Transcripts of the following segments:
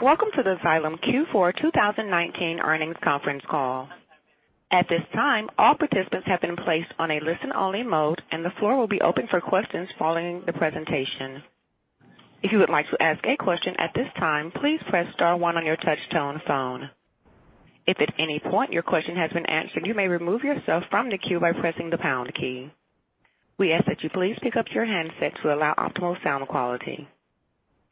Welcome to the Xylem Q4 2019 earnings conference call. At this time, all participants have been placed on a listen-only mode, and the floor will be open for questions following the presentation. If you would like to ask a question at this time, please press star one on your touch-tone phone. If at any point your question has been answered, you may remove yourself from the queue by pressing the pound key. We ask that you please pick up your handset to allow optimal sound quality.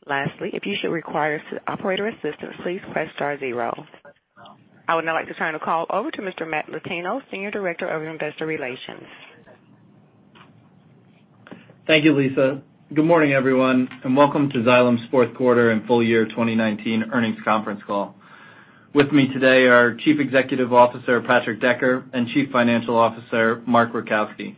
Lastly, if you should require operator assistance, please press star zero. I would now like to turn the call over to Mr. Matt Latino, Senior Director of Investor Relations. Thank you, Lisa. Good morning, everyone, and welcome to Xylem's fourth quarter and full year 2019 earnings conference call. With me today are Chief Executive Officer, Patrick Decker, and Chief Financial Officer, Mark Rajkowski.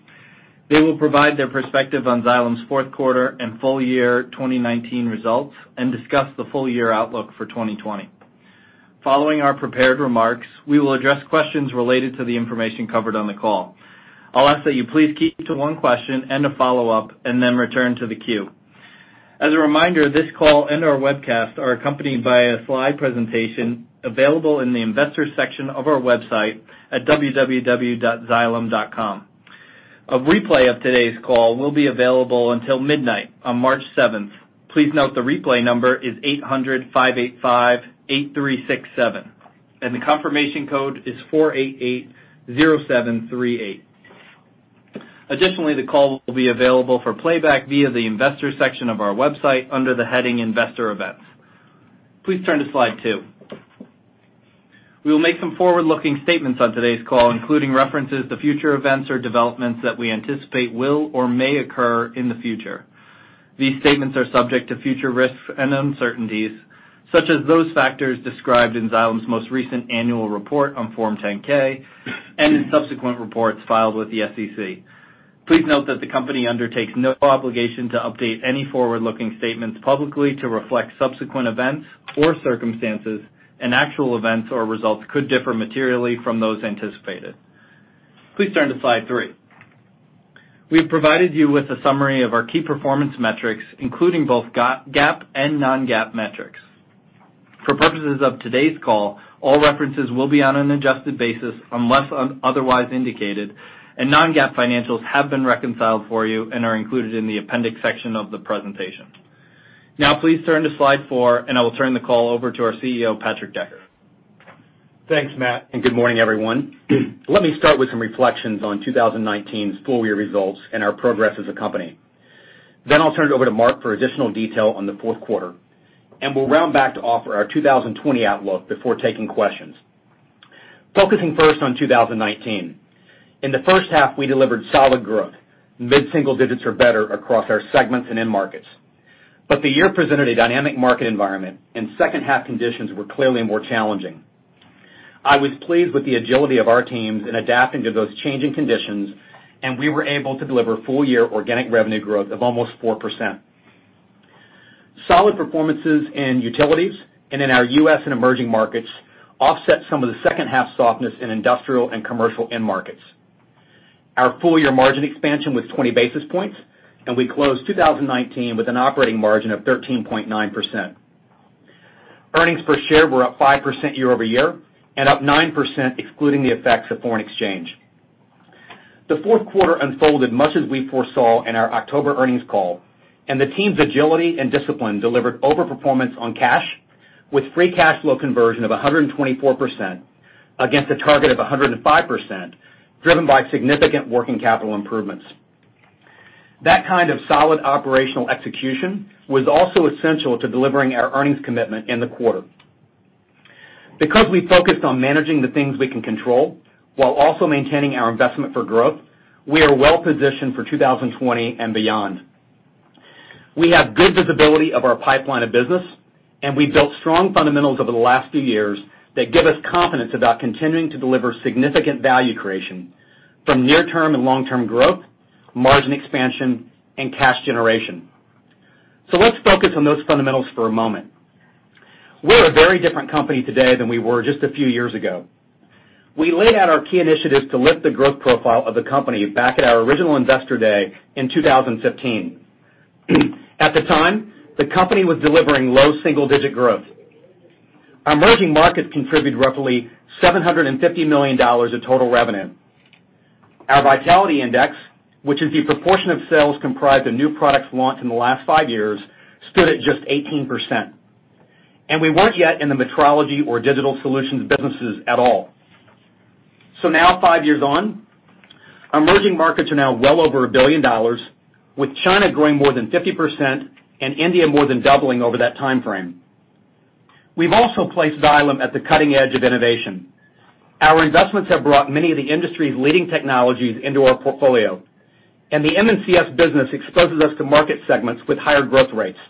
They will provide their perspective on Xylem's fourth quarter and full year 2019 results and discuss the full-year outlook for 2020. Following our prepared remarks, we will address questions related to the information covered on the call. I'll ask that you please keep to one question and a follow-up, and then return to the queue. As a reminder, this call and our webcast are accompanied by a slide presentation available in the Investors section of our website at www.xylem.com. A replay of today's call will be available until midnight on March 7th. Please note the replay number is 800-585-8367, and the confirmation code is 4880738. Additionally, the call will be available for playback via the investors section of our website under the heading investor events. Please turn to slide two. We will make some forward-looking statements on today's call, including references to future events or developments that we anticipate will or may occur in the future. These statements are subject to future risks and uncertainties, such as those factors described in Xylem's most recent annual report on Form 10-K and in subsequent reports filed with the SEC. Please note that the company undertakes no obligation to update any forward-looking statements publicly to reflect subsequent events or circumstances, and actual events or results could differ materially from those anticipated. Please turn to slide three. We've provided you with a summary of our key performance metrics, including both GAAP and non-GAAP metrics. For purposes of today's call, all references will be on an adjusted basis unless otherwise indicated, and non-GAAP financials have been reconciled for you and are included in the appendix section of the presentation. Now please turn to slide four, and I will turn the call over to our CEO, Patrick Decker. Thanks, Matt. Good morning, everyone. Let me start with some reflections on 2019's full-year results and our progress as a company. I'll turn it over to Mark for additional detail on the fourth quarter, and we'll round back to offer our 2020 outlook before taking questions. Focusing first on 2019. In the first half, we delivered solid growth, mid-single-digits or better across our segments and end markets. The year presented a dynamic market environment and second-half conditions were clearly more challenging. I was pleased with the agility of our teams in adapting to those changing conditions, and we were able to deliver full-year organic revenue growth of almost 4%. Solid performances in utilities and in our U.S. and emerging markets offset some of the second half softness in industrial and commercial end markets. Our full-year margin expansion was 20 basis points, and we closed 2019 with an operating margin of 13.9%. Earnings per share were up 5% year-over-year and up 9% excluding the effects of foreign exchange. The fourth quarter unfolded much as we foresaw in our October earnings call, and the team's agility and discipline delivered overperformance on cash with free cash flow conversion of 124% against a target of 105%, driven by significant working capital improvements. That kind of solid operational execution was also essential to delivering our earnings commitment in the quarter. Because we focused on managing the things we can control while also maintaining our investment for growth, we are well-positioned for 2020 and beyond. We have good visibility of our pipeline of business, and we've built strong fundamentals over the last few years that give us confidence about continuing to deliver significant value creation from near-term and long-term growth, margin expansion, and cash generation. Let's focus on those fundamentals for a moment. We're a very different company today than we were just a few years ago. We laid out our key initiatives to lift the growth profile of the company back at our original Investor Day in 2015. At the time, the company was delivering low single-digit growth. Our emerging markets contribute roughly $750 million of total revenue. Our vitality index, which is the proportion of sales comprised of new products launched in the last five years, stood at just 18%. We weren't yet in the metrology or digital solutions businesses at all. Now, five years on, our emerging markets are now well over $1 billion, with China growing more than 50% and India more than doubling over that timeframe. We've also placed Xylem at the cutting edge of innovation. Our investments have brought many of the industry's leading technologies into our portfolio, and the M&CS business exposes us to market segments with higher growth rates.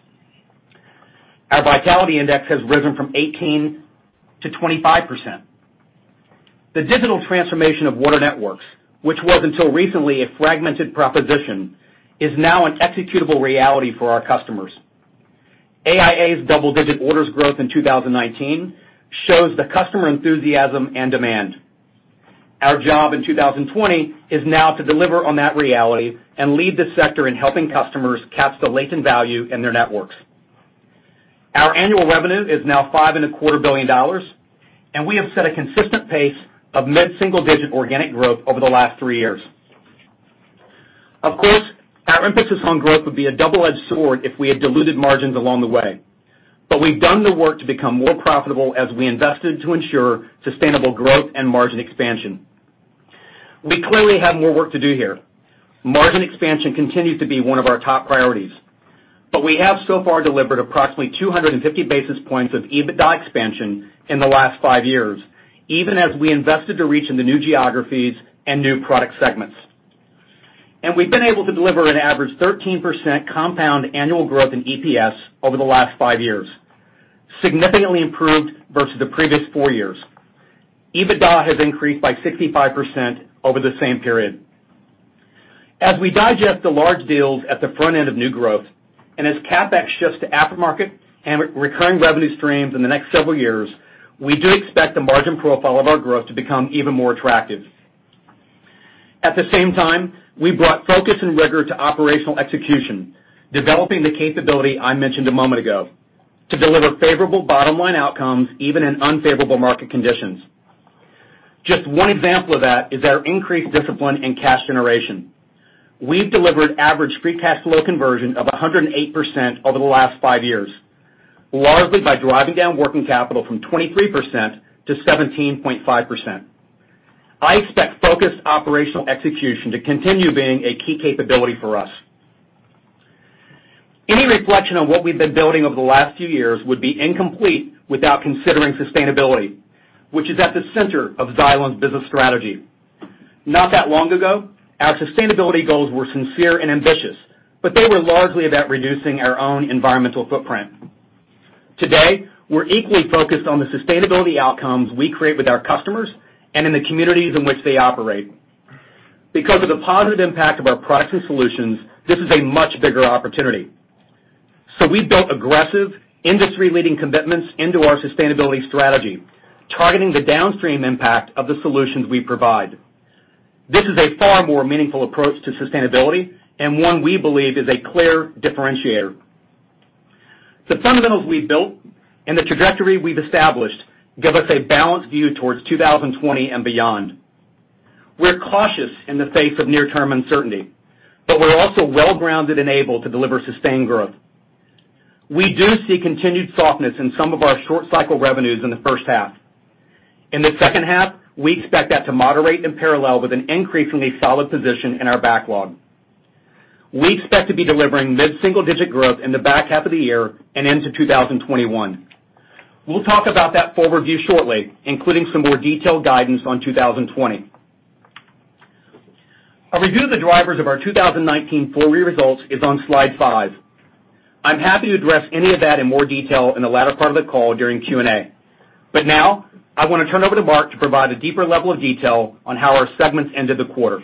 Our vitality index has risen from 18%-25%. The digital transformation of water networks, which was until recently a fragmented proposition, is now an executable reality for our customers. AIA's double-digit orders growth in 2019 shows the customer enthusiasm and demand. Our job in 2020 is now to deliver on that reality and lead the sector in helping customers cap the latent value in their networks. Our annual revenue is now $5.25 billion, We have set a consistent pace of mid single-digit organic growth over the last three years. Of course, our emphasis on growth would be a double-edged sword if we had diluted margins along the way. We've done the work to become more profitable as we invested to ensure sustainable growth and margin expansion. We clearly have more work to do here. Margin expansion continues to be one of our top priorities. We have so far delivered approximately 250 basis points of EBITDA expansion in the last five years, even as we invested to reach into new geographies and new product segments. We've been able to deliver an average 13% compound annual growth in EPS over the last five years, significantly improved versus the previous four years. EBITDA has increased by 65% over the same period. As we digest the large deals at the front end of new growth, as CapEx shifts to aftermarket and recurring revenue streams in the next several years, we do expect the margin profile of our growth to become even more attractive. At the same time, we brought focus and rigor to operational execution, developing the capability I mentioned a moment ago, to deliver favorable bottom-line outcomes even in unfavorable market conditions. Just one example of that is our increased discipline in cash generation. We've delivered average free cash flow conversion of 108% over the last five years, largely by driving down working capital from 23%-17.5%. I expect focused operational execution to continue being a key capability for us. Any reflection on what we've been building over the last few years would be incomplete without considering sustainability, which is at the center of Xylem's business strategy. Not that long ago, our sustainability goals were sincere and ambitious, but they were largely about reducing our own environmental footprint. Today, we're equally focused on the sustainability outcomes we create with our customers and in the communities in which they operate. Because of the positive impact of our products and solutions, this is a much bigger opportunity. We've built aggressive industry-leading commitments into our sustainability strategy, targeting the downstream impact of the solutions we provide. This is a far more meaningful approach to sustainability and one we believe is a clear differentiator. The fundamentals we've built and the trajectory we've established give us a balanced view towards 2020 and beyond. We're cautious in the face of near-term uncertainty, but we're also well-grounded and able to deliver sustained growth. We do see continued softness in some of our short-cycle revenues in the first half. In the second half, we expect that to moderate in parallel with an increasingly solid position in our backlog. We expect to be delivering mid-single-digit growth in the back half of the year and into 2021. We'll talk about that full review shortly, including some more detailed guidance on 2020. A review of the drivers of our 2019 full-year results is on slide five. I'm happy to address any of that in more detail in the latter part of the call during Q&A. Now, I want to turn over to Mark to provide a deeper level of detail on how our segments ended the quarter.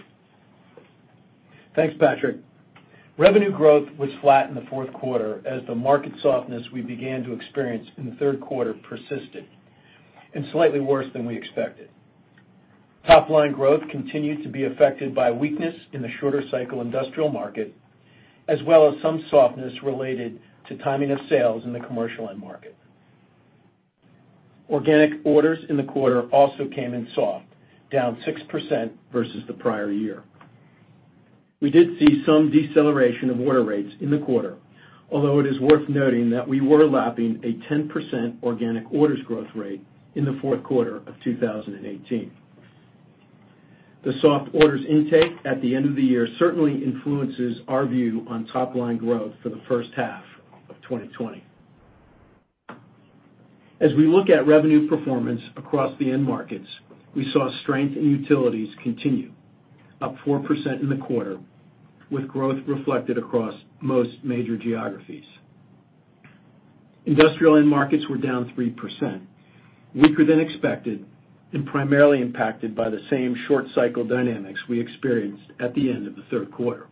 Thanks, Patrick. Revenue growth was flat in the fourth quarter as the market softness we began to experience in the third quarter persisted, and slightly worse than we expected. Topline growth continued to be affected by weakness in the shorter cycle industrial market, as well as some softness related to timing of sales in the commercial end market. Organic orders in the quarter also came in soft, down 6% versus the prior year. We did see some deceleration of order rates in the quarter, although it is worth noting that we were lapping a 10% organic orders growth rate in the fourth quarter of 2018. The soft orders intake at the end of the year certainly influences our view on top-line growth for the first half of 2020. As we look at revenue performance across the end markets, we saw strength in utilities continue, up 4% in the quarter, with growth reflected across most major geographies. Industrial end markets were down 3%, weaker than expected and primarily impacted by the same short-cycle dynamics we experienced at the end of the third quarter.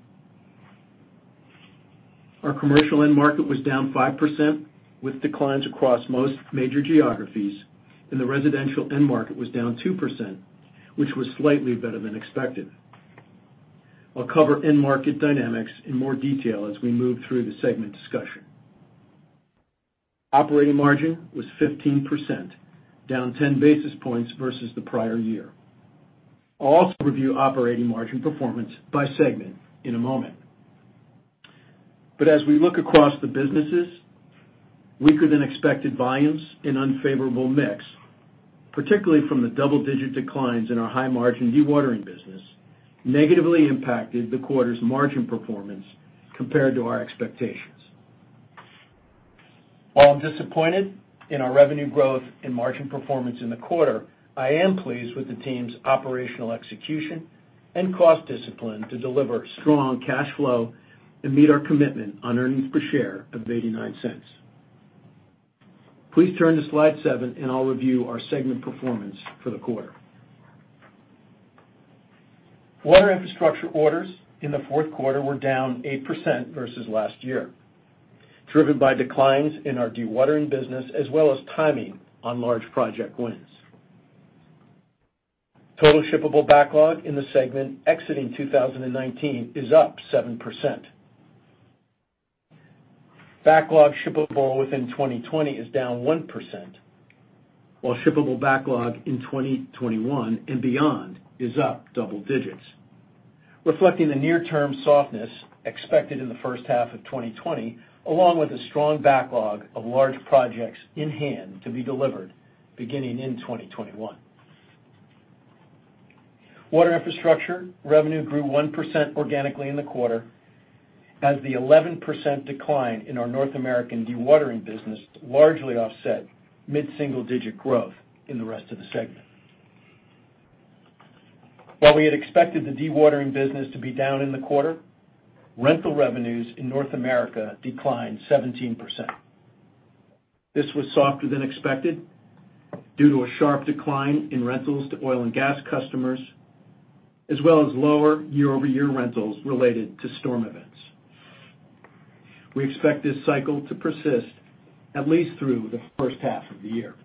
Our commercial end market was down 5%, with declines across most major geographies, and the residential end market was down 2%, which was slightly better than expected. I'll cover end-market dynamics in more detail as we move through the segment discussion. Operating margin was 15%, down 10 basis points versus the prior year. I'll also review operating margin performance by segment in a moment. As we look across the businesses, weaker-than-expected volumes and unfavorable mix, particularly from the double-digit declines in our high-margin dewatering business, negatively impacted the quarter's margin performance compared to our expectations. While I'm disappointed in our revenue growth and margin performance in the quarter, I am pleased with the team's operational execution and cost discipline to deliver strong cash flow and meet our commitment on earnings per share of $0.89. Please turn to slide seven, I'll review our segment performance for the quarter. Water infrastructure orders in the fourth quarter were down 8% versus last year, driven by declines in our dewatering business as well as timing on large project wins. Total shippable backlog in the segment exiting 2019 is up 7%. Backlog shippable within 2020 is down 1%, while shippable backlog in 2021 and beyond is up double-digits, reflecting the near-term softness expected in the first half of 2020, along with a strong backlog of large projects in hand to be delivered beginning in 2021. Water infrastructure revenue grew 1% organically in the quarter as the 11% decline in our North American dewatering business largely offset mid-single-digit growth in the rest of the segment. While we had expected the dewatering business to be down in the quarter, rental revenues in North America declined 17%. This was softer than expected due to a sharp decline in rentals to oil and gas customers, as well as lower year-over-year rentals related to storm events. We expect this cycle to persist at least through the first half of the year.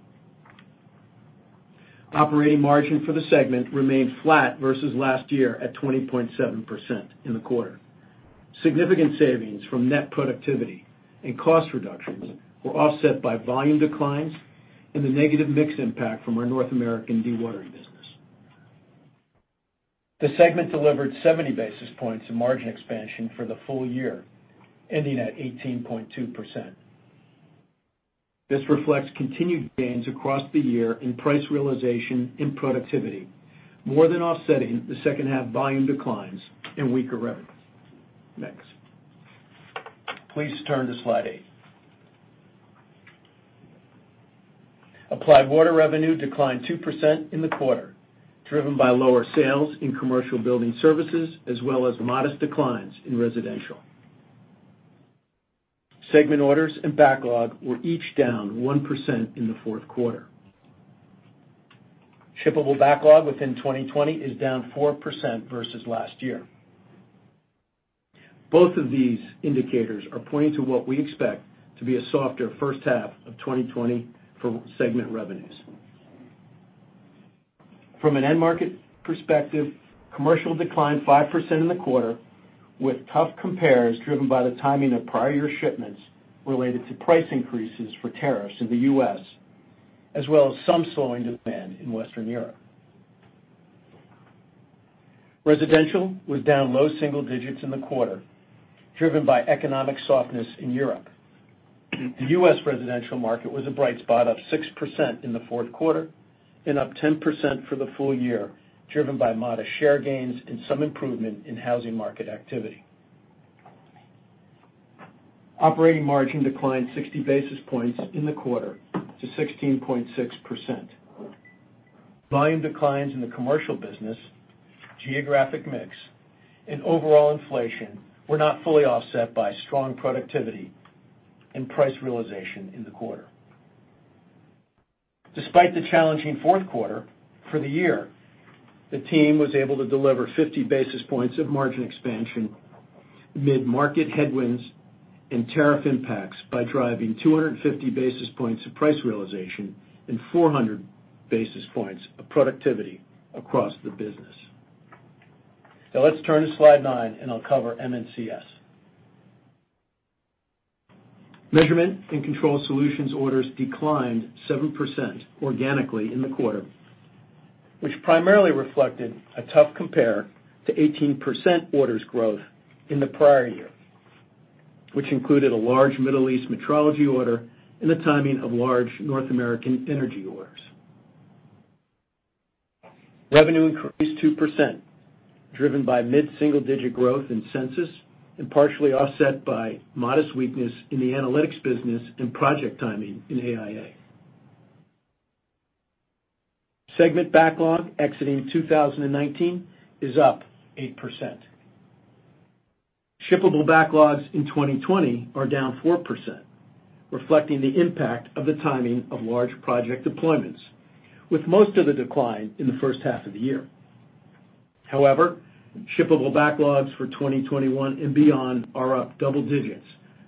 Operating margin for the segment remained flat versus last year at 20.7% in the quarter. Significant savings from net productivity and cost reductions were offset by volume declines and the negative mix impact from our North American dewatering business. The segment delivered 70 basis points in margin expansion for the full year, ending at 18.2%. This reflects continued gains across the year in price realization and productivity, more than offsetting the second half volume declines and weaker revenues. Next. Please turn to slide eight. Applied water revenue declined 2% in the quarter, driven by lower sales in commercial building services, as well as modest declines in residential. Segment orders and backlog were each down 1% in the fourth quarter. Shippable backlog within 2020 is down 4% versus last year. Both of these indicators are pointing to what we expect to be a softer first half of 2020 for segment revenues. From an end market perspective, commercial declined 5% in the quarter with tough compares driven by the timing of prior shipments related to price increases for tariffs in the U.S., as well as some slowing demand in Western Europe. Residential was down low single-digits in the quarter, driven by economic softness in Europe. The U.S. residential market was a bright spot, up 6% in the fourth quarter and up 10% for the full year, driven by modest share gains and some improvement in housing market activity. Operating margin declined 60 basis points in the quarter to 16.6%. Volume declines in the commercial business, geographic mix, and overall inflation were not fully offset by strong productivity and price realization in the quarter. Despite the challenging fourth quarter, for the year, the team was able to deliver 50 basis points of margin expansion amid market headwinds and tariff impacts by driving 250 basis points of price realization and 400 basis points of productivity across the business. Now let's turn to slide nine, and I'll cover M&CS. Measurement and control solutions orders declined 7% organically in the quarter, which primarily reflected a tough compare to 18% orders growth in the prior year, which included a large Middle East metrology order and the timing of large North American energy orders. Revenue increased 2%, driven by mid-single-digit growth in Sensus and partially offset by modest weakness in the analytics business and project timing in AIA. Segment backlog exiting 2019 is up 8%. Shippable backlogs in 2020 are down 4%, reflecting the impact of the timing of large project deployments, with most of the decline in the first half of the year. However, shippable backlogs for 2021 and beyond are up double-digits,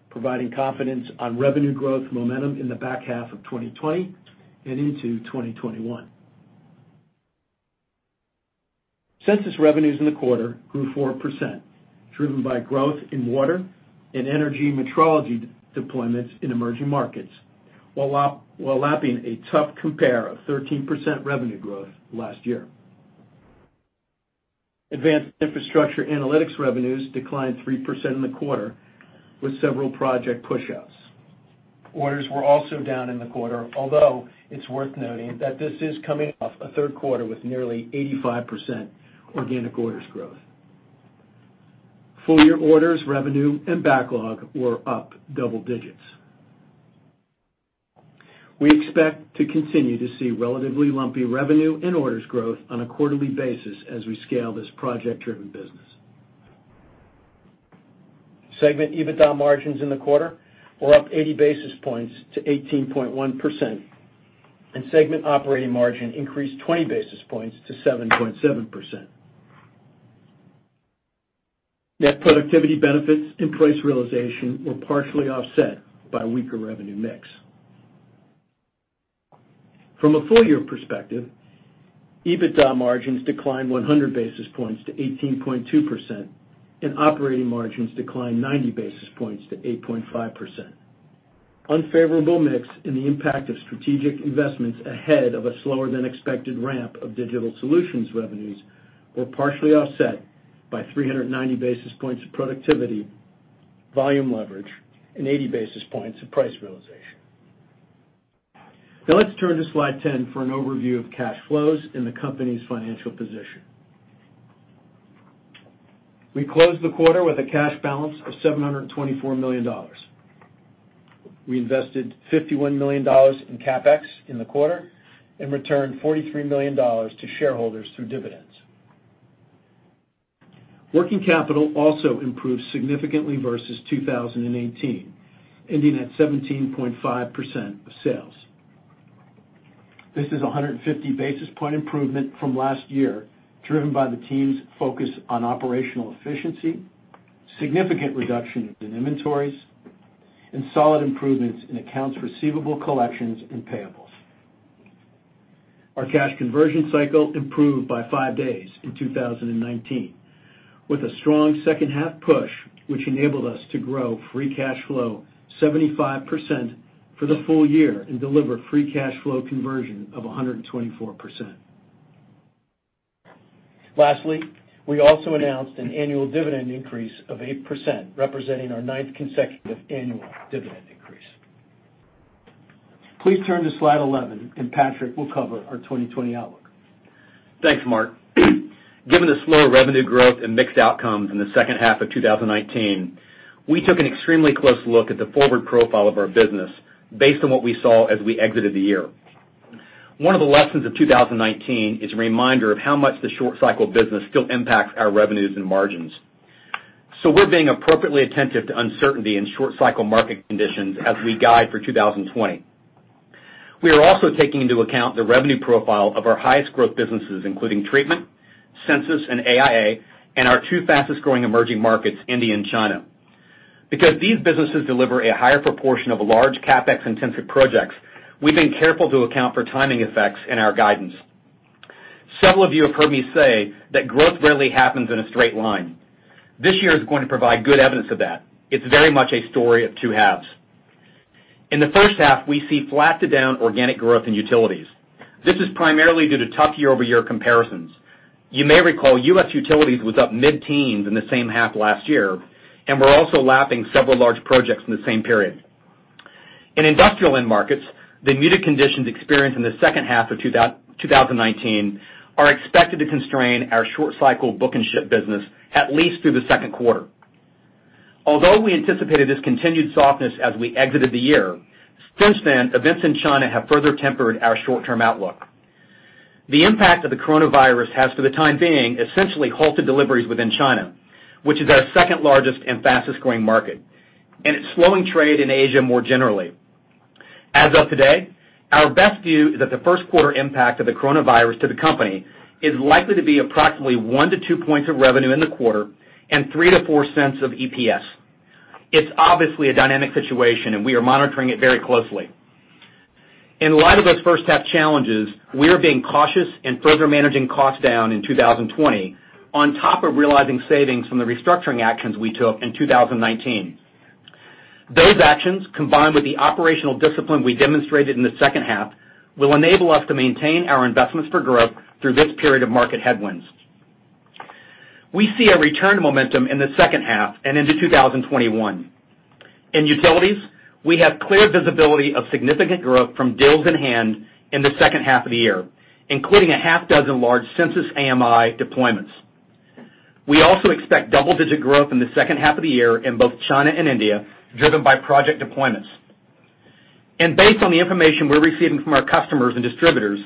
providing confidence on revenue growth momentum in the back half of 2020 and into 2021. Sensus revenues in the quarter grew 4%, driven by growth in water and energy metrology deployments in emerging markets, while lapping a tough compare of 13% revenue growth last year. Advanced infrastructure analytics revenues declined 3% in the quarter with several project pushouts. Orders were also down in the quarter, although it's worth noting that this is coming off a third quarter with nearly 85% organic orders growth. Full year orders, revenue, and backlog were up double-digits. We expect to continue to see relatively lumpy revenue and orders growth on a quarterly basis as we scale this project-driven. Segment EBITDA margins in the quarter were up 80 basis points to 18.1%, and segment operating margin increased 20 basis points to 7.7%. Net productivity benefits and price realization were partially offset by weaker revenue mix. From a full-year perspective, EBITDA margins declined 100 basis points to 18.2%, and operating margins declined 90 basis points to 8.5%. Unfavorable mix and the impact of strategic investments ahead of a slower-than-expected ramp of digital solutions revenues were partially offset by 390 basis points of productivity, volume leverage, and 80 basis points of price realization. Now let's turn to slide 10 for an overview of cash flows and the company's financial position. We closed the quarter with a cash balance of $724 million. We invested $51 million in CapEx in the quarter and returned $43 million to shareholders through dividends. Working capital also improved significantly versus 2018, ending at 17.5% of sales. This is a 150-basis-point improvement from last year, driven by the team's focus on operational efficiency, significant reductions in inventories, and solid improvements in accounts receivable collections and payables. Our cash conversion cycle improved by five days in 2019 with a strong second-half push, which enabled us to grow free cash flow 75% for the full year and deliver free cash flow conversion of 124%. Lastly, we also announced an annual dividend increase of 8%, representing our ninth consecutive annual dividend increase. Please turn to slide 11, and Patrick will cover our 2020 outlook. Thanks, Mark. Given the slower revenue growth and mixed outcomes in the second half of 2019, we took an extremely close look at the forward profile of our business based on what we saw as we exited the year. One of the lessons of 2019 is a reminder of how much the short-cycle business still impacts our revenues and margins. We're being appropriately attentive to uncertainty in short-cycle market conditions as we guide for 2020. We are also taking into account the revenue profile of our highest growth businesses, including treatment, Sensus, and AIA, and our two fastest-growing emerging markets, India and China. Because these businesses deliver a higher proportion of large CapEx-intensive projects, we've been careful to account for timing effects in our guidance. Several of you have heard me say that growth rarely happens in a straight line. This year is going to provide good evidence of that. It's very much a story of two halves. In the first half, we see flat-to-down organic growth in utilities. This is primarily due to tough year-over-year comparisons. You may recall U.S. utilities was up mid-teens in the same half last year, and we're also lapping several large projects in the same period. In industrial end markets, the muted conditions experienced in the second half of 2019 are expected to constrain our short-cycle book-and-ship business at least through the second quarter. Although we anticipated this continued softness as we exited the year, since then, events in China have further tempered our short-term outlook. The impact of the coronavirus has, for the time being, essentially halted deliveries within China, which is our second-largest and fastest-growing market, and it's slowing trade in Asia more generally. As of today, our best view is that the first quarter impact of the coronavirus to the company is likely to be approximately 1-2 points of revenue in the quarter and $0.03-$0.04 of EPS. It's obviously a dynamic situation, and we are monitoring it very closely. In light of those first-half challenges, we are being cautious in further managing costs down in 2020 on top of realizing savings from the restructuring actions we took in 2019. Those actions, combined with the operational discipline we demonstrated in the second half, will enable us to maintain our investments for growth through this period of market headwinds. We see a return to momentum in the second half and into 2021. In utilities, we have clear visibility of significant growth from deals in hand in the second half of the year, including a half dozen large Sensus AMI deployments. We also expect double-digit growth in the second half of the year in both China and India, driven by project deployments. Based on the information we're receiving from our customers and distributors,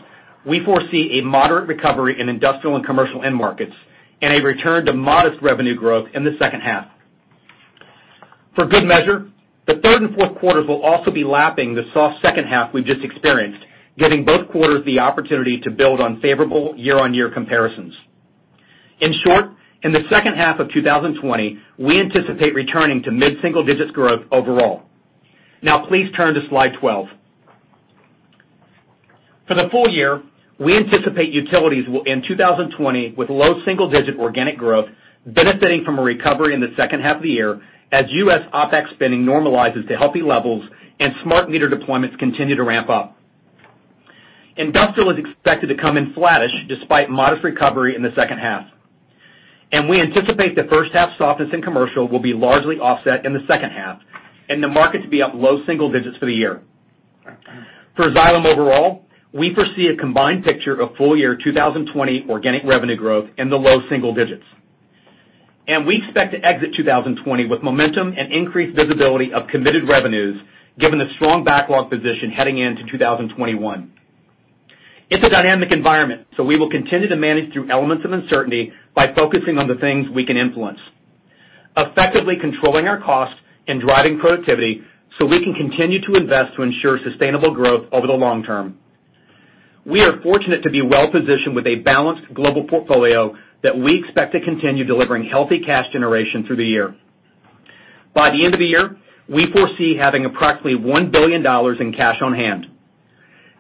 we foresee a moderate recovery in industrial and commercial end markets and a return to modest revenue growth in the second half. For good measure, the third and fourth quarters will also be lapping the soft second half we've just experienced, giving both quarters the opportunity to build on favorable year-on-year comparisons. In short, in the second half of 2020, we anticipate returning to mid-single-digits growth overall. Now please turn to slide 12. For the full year, we anticipate utilities will end 2020 with low single-digit organic growth, benefiting from a recovery in the second half of the year as U.S. OpEx spending normalizes to healthy levels and smart meter deployments continue to ramp up. Industrial is expected to come in flattish despite modest recovery in the second half. We anticipate the first half softness in commercial will be largely offset in the second half and the market to be up low single-digits for the year. For Xylem overall, we foresee a combined picture of full-year 2020 organic revenue growth in the low single-digits. We expect to exit 2020 with momentum and increased visibility of committed revenues, given the strong backlog position heading into 2021. It's a dynamic environment, so we will continue to manage through elements of uncertainty by focusing on the things we can influence. Effectively controlling our costs and driving productivity so we can continue to invest to ensure sustainable growth over the long term. We are fortunate to be well-positioned with a balanced global portfolio that we expect to continue delivering healthy cash generation through the year. By the end of the year, we foresee having approximately $1 billion in cash on hand.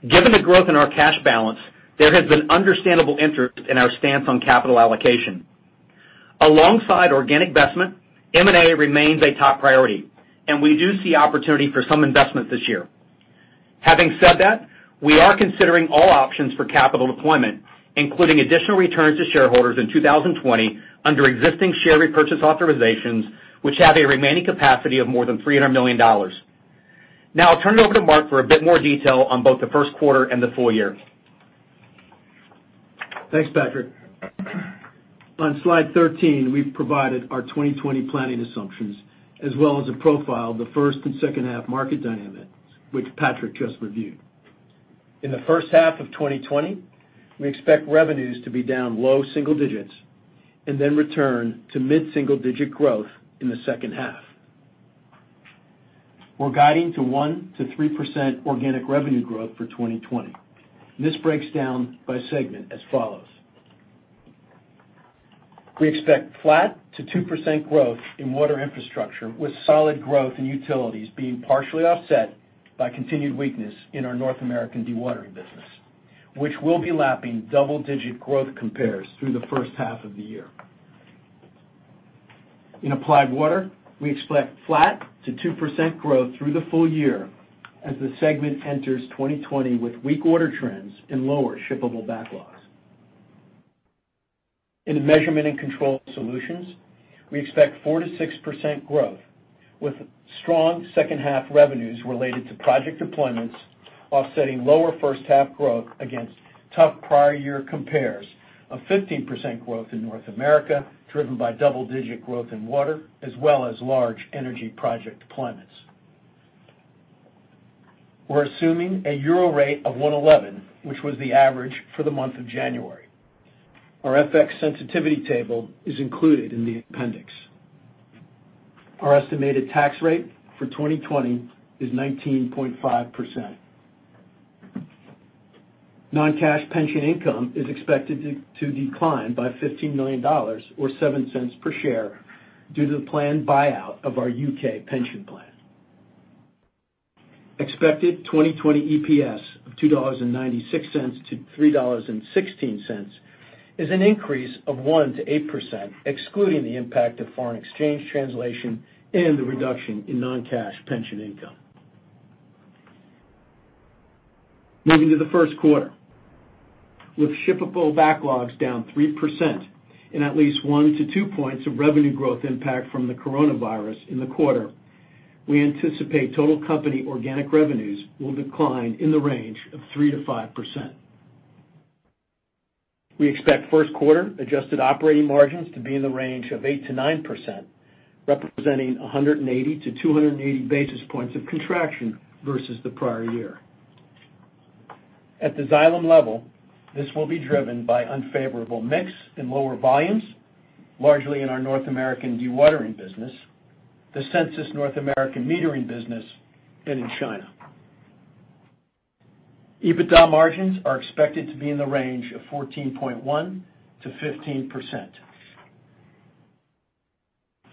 Given the growth in our cash balance, there has been understandable interest in our stance on capital allocation. Alongside organic investment, M&A remains a top priority, and we do see opportunity for some investments this year. Having said that, we are considering all options for capital deployment, including additional returns to shareholders in 2020 under existing share repurchase authorizations, which have a remaining capacity of more than $300 million. Now I'll turn it over to Mark for a bit more detail on both the first quarter and the full year. Thanks, Patrick. On slide 13, we've provided our 2020 planning assumptions as well as a profile of the first and second half market dynamics, which Patrick just reviewed. In the first half of 2020, we expect revenues to be down low single-digits then return to mid-single-digit growth in the second half. We're guiding to 1%-3% organic revenue growth for 2020, this breaks down by segment as follows. We expect flat to 2% growth in water infrastructure with solid growth in utilities being partially offset by continued weakness in our North American dewatering business, which will be lapping double-digit growth compares through the first half of the year. In applied water, we expect flat to 2% growth through the full year as the segment enters 2020 with weak order trends and lower shippable backlogs. In measurement and control solutions, we expect 4%-6% growth with strong second half revenues related to project deployments offsetting lower first half growth against tough prior year compares of 15% growth in North America, driven by double-digit growth in water as well as large energy project deployments. We're assuming a EUR rate of 111, which was the average for the month of January. Our FX sensitivity table is included in the appendix. Our estimated tax rate for 2020 is 19.5%. Non-cash pension income is expected to decline by $15 million or $0.07 per share due to the planned buyout of our U.K. pension plan. Expected 2020 EPS of $2.96-$3.16 is an increase of 1%-8%, excluding the impact of foreign exchange translation and the reduction in non-cash pension income. Moving to the first quarter. With shippable backlogs down 3% and at least 1-2 points of revenue growth impact from the coronavirus in the quarter, we anticipate total company organic revenues will decline in the range of 3%-5%. We expect first quarter adjusted operating margins to be in the range of 8%-9%, representing 180 to 280 basis points of contraction versus the prior year. At the Xylem level, this will be driven by unfavorable mix and lower volumes, largely in our North American dewatering business, the Sensus North American metering business, and in China. EBITDA margins are expected to be in the range of 14.1%-15%.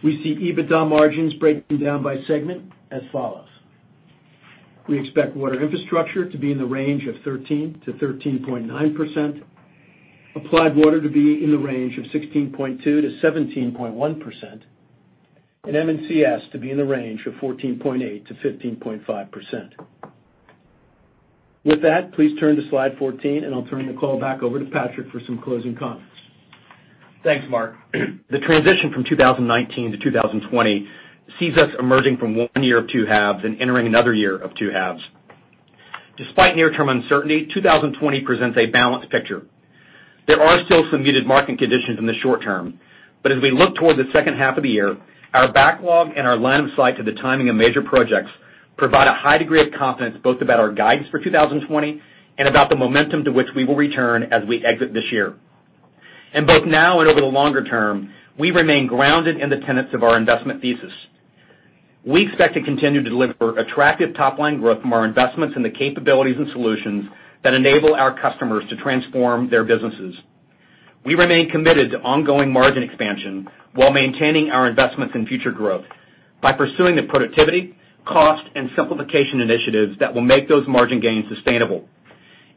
We see EBITDA margins breaking down by segment as follows. We expect water infrastructure to be in the range of 13%-13.9%, applied water to be in the range of 16.2%-17.1%, M&CS to be in the range of 14.8%-15.5%. With that, please turn to slide 14, I'll turn the call back over to Patrick for some closing comments. Thanks, Mark. The transition from 2019 to 2020 sees us emerging from one year of two halves and entering another year of two halves. Despite near-term uncertainty, 2020 presents a balanced picture. There are still some muted market conditions in the short term, but as we look toward the second half of the year, our backlog and our line of sight to the timing of major projects provide a high degree of confidence both about our guidance for 2020 and about the momentum to which we will return as we exit this year. Both now and over the longer term, we remain grounded in the tenets of our investment thesis. We expect to continue to deliver attractive top-line growth from our investments in the capabilities and solutions that enable our customers to transform their businesses. We remain committed to ongoing margin expansion while maintaining our investments in future growth by pursuing the productivity, cost, and simplification initiatives that will make those margin gains sustainable.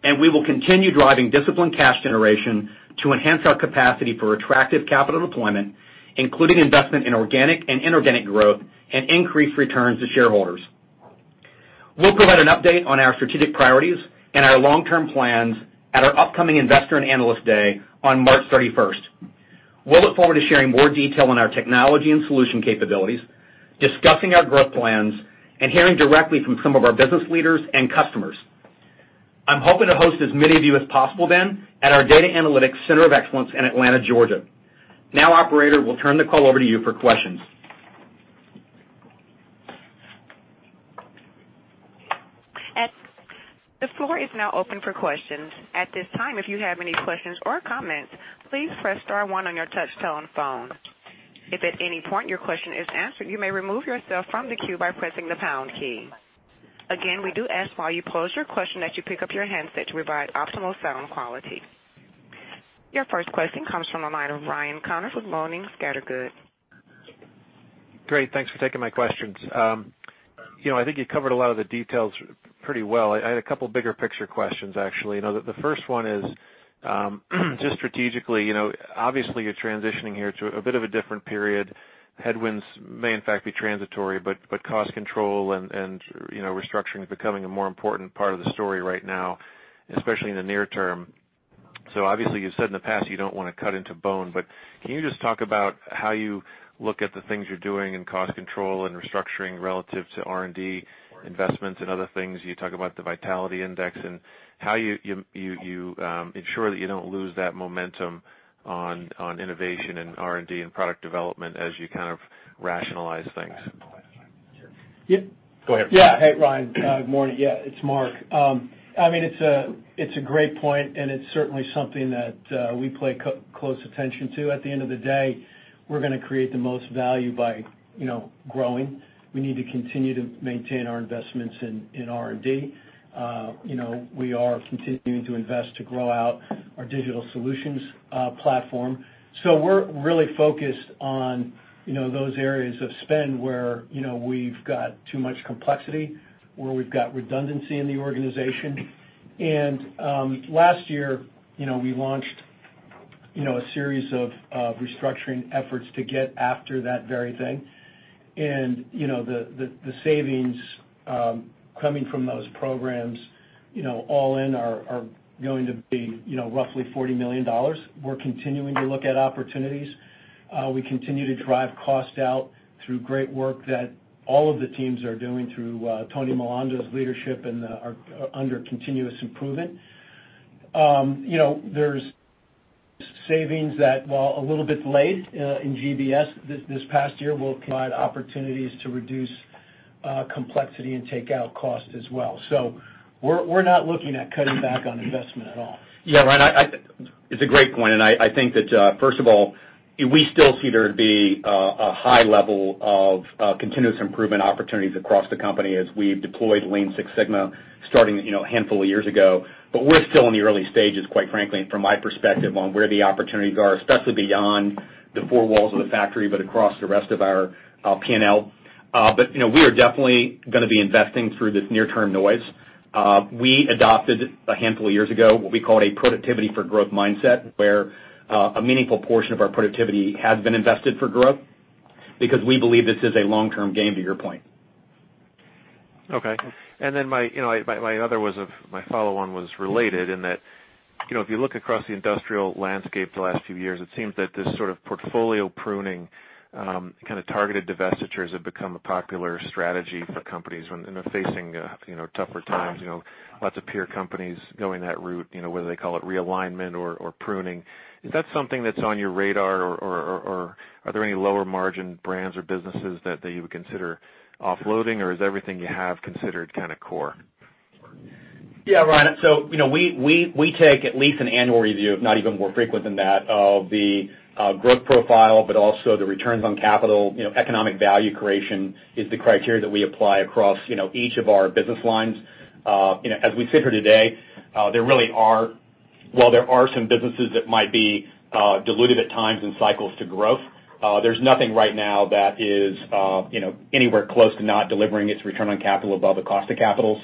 We will continue driving disciplined cash generation to enhance our capacity for attractive capital deployment, including investment in organic and inorganic growth and increased returns to shareholders. We'll provide an update on our strategic priorities and our long-term plans at our upcoming Investor and Analyst Day on March 31st. We'll look forward to sharing more detail on our technology and solution capabilities, discussing our growth plans, and hearing directly from some of our business leaders and customers. I'm hoping to host as many of you as possible then at our data analytics center of excellence in Atlanta, Georgia. Operator, we'll turn the call over to you for questions. The floor is now open for questions. At this time, if you have any questions or comments, please press star one on your touch-tone phone. If at any point your question is answered, you may remove yourself from the queue by pressing the pound key. Again, we do ask while you pose your question that you pick up your handset to provide optimal sound quality. Your first question comes from the line of Ryan Connors with Boenning & Scattergood. Great. Thanks for taking my questions. I think you covered a lot of the details pretty well. I had a couple bigger picture questions, actually. The first one is just strategically, obviously you're transitioning here to a bit of a different period. Headwinds may, in fact, be transitory, cost control and restructuring is becoming a more important part of the story right now, especially in the near term. Obviously, you've said in the past you don't want to cut into bone, but can you just talk about how you look at the things you're doing in cost control and restructuring relative to R&D investments and other things? You talk about the vitality index and how you ensure that you don't lose that momentum on innovation and R&D and product development as you kind of rationalize things. Yeah. Go ahead. Hey, Ryan. Good morning. It's Mark. It's a great point, and it's certainly something that we pay close attention to. At the end of the day, we're going to create the most value by growing. We need to continue to maintain our investments in R&D. We are continuing to invest to grow out our digital solutions platform. We're really focused on those areas of spend where we've got too much complexity, where we've got redundancy in the organization. Last year, we launched a series of restructuring efforts to get after that very thing. The savings coming from those programs all in are going to be roughly $40 million. We're continuing to look at opportunities. We continue to drive cost out through great work that all of the teams are doing through Tony Milando's leadership and are under continuous improvement. There's savings that, while a little bit delayed in GBS this past year, will provide opportunities to reduce complexity and take out cost as well. We're not looking at cutting back on investment at all. Yeah, Ryan, it's a great point, and I think that, first of all, we still see there to be a high level of continuous improvement opportunities across the company as we've deployed Lean Six Sigma starting a handful of years ago. We're still in the early stages, quite frankly, from my perspective on where the opportunities are, especially beyond the four walls of the factory, but across the rest of our P&L. We are definitely going to be investing through this near-term noise. We adopted a handful of years ago, what we call a productivity for growth mindset, where a meaningful portion of our productivity has been invested for growth because we believe this is a long-term game, to your point. Okay. My follow-on was related in that if you look across the industrial landscape the last few years, it seems that this sort of portfolio pruning, kind of targeted divestitures have become a popular strategy for companies when they're facing tougher times. Lots of peer companies going that route, whether they call it realignment or pruning. Is that something that's on your radar, or are there any lower margin brands or businesses that you would consider offloading, or is everything you have considered kind of core? Yeah, Ryan. We take at least an annual review, if not even more frequent than that, of the growth profile, but also the returns on capital. Economic value creation is the criteria that we apply across each of our business lines. As we sit here today, while there are some businesses that might be diluted at times in cycles to growth, there's nothing right now that is anywhere close to not delivering its return on capital above the cost of capital.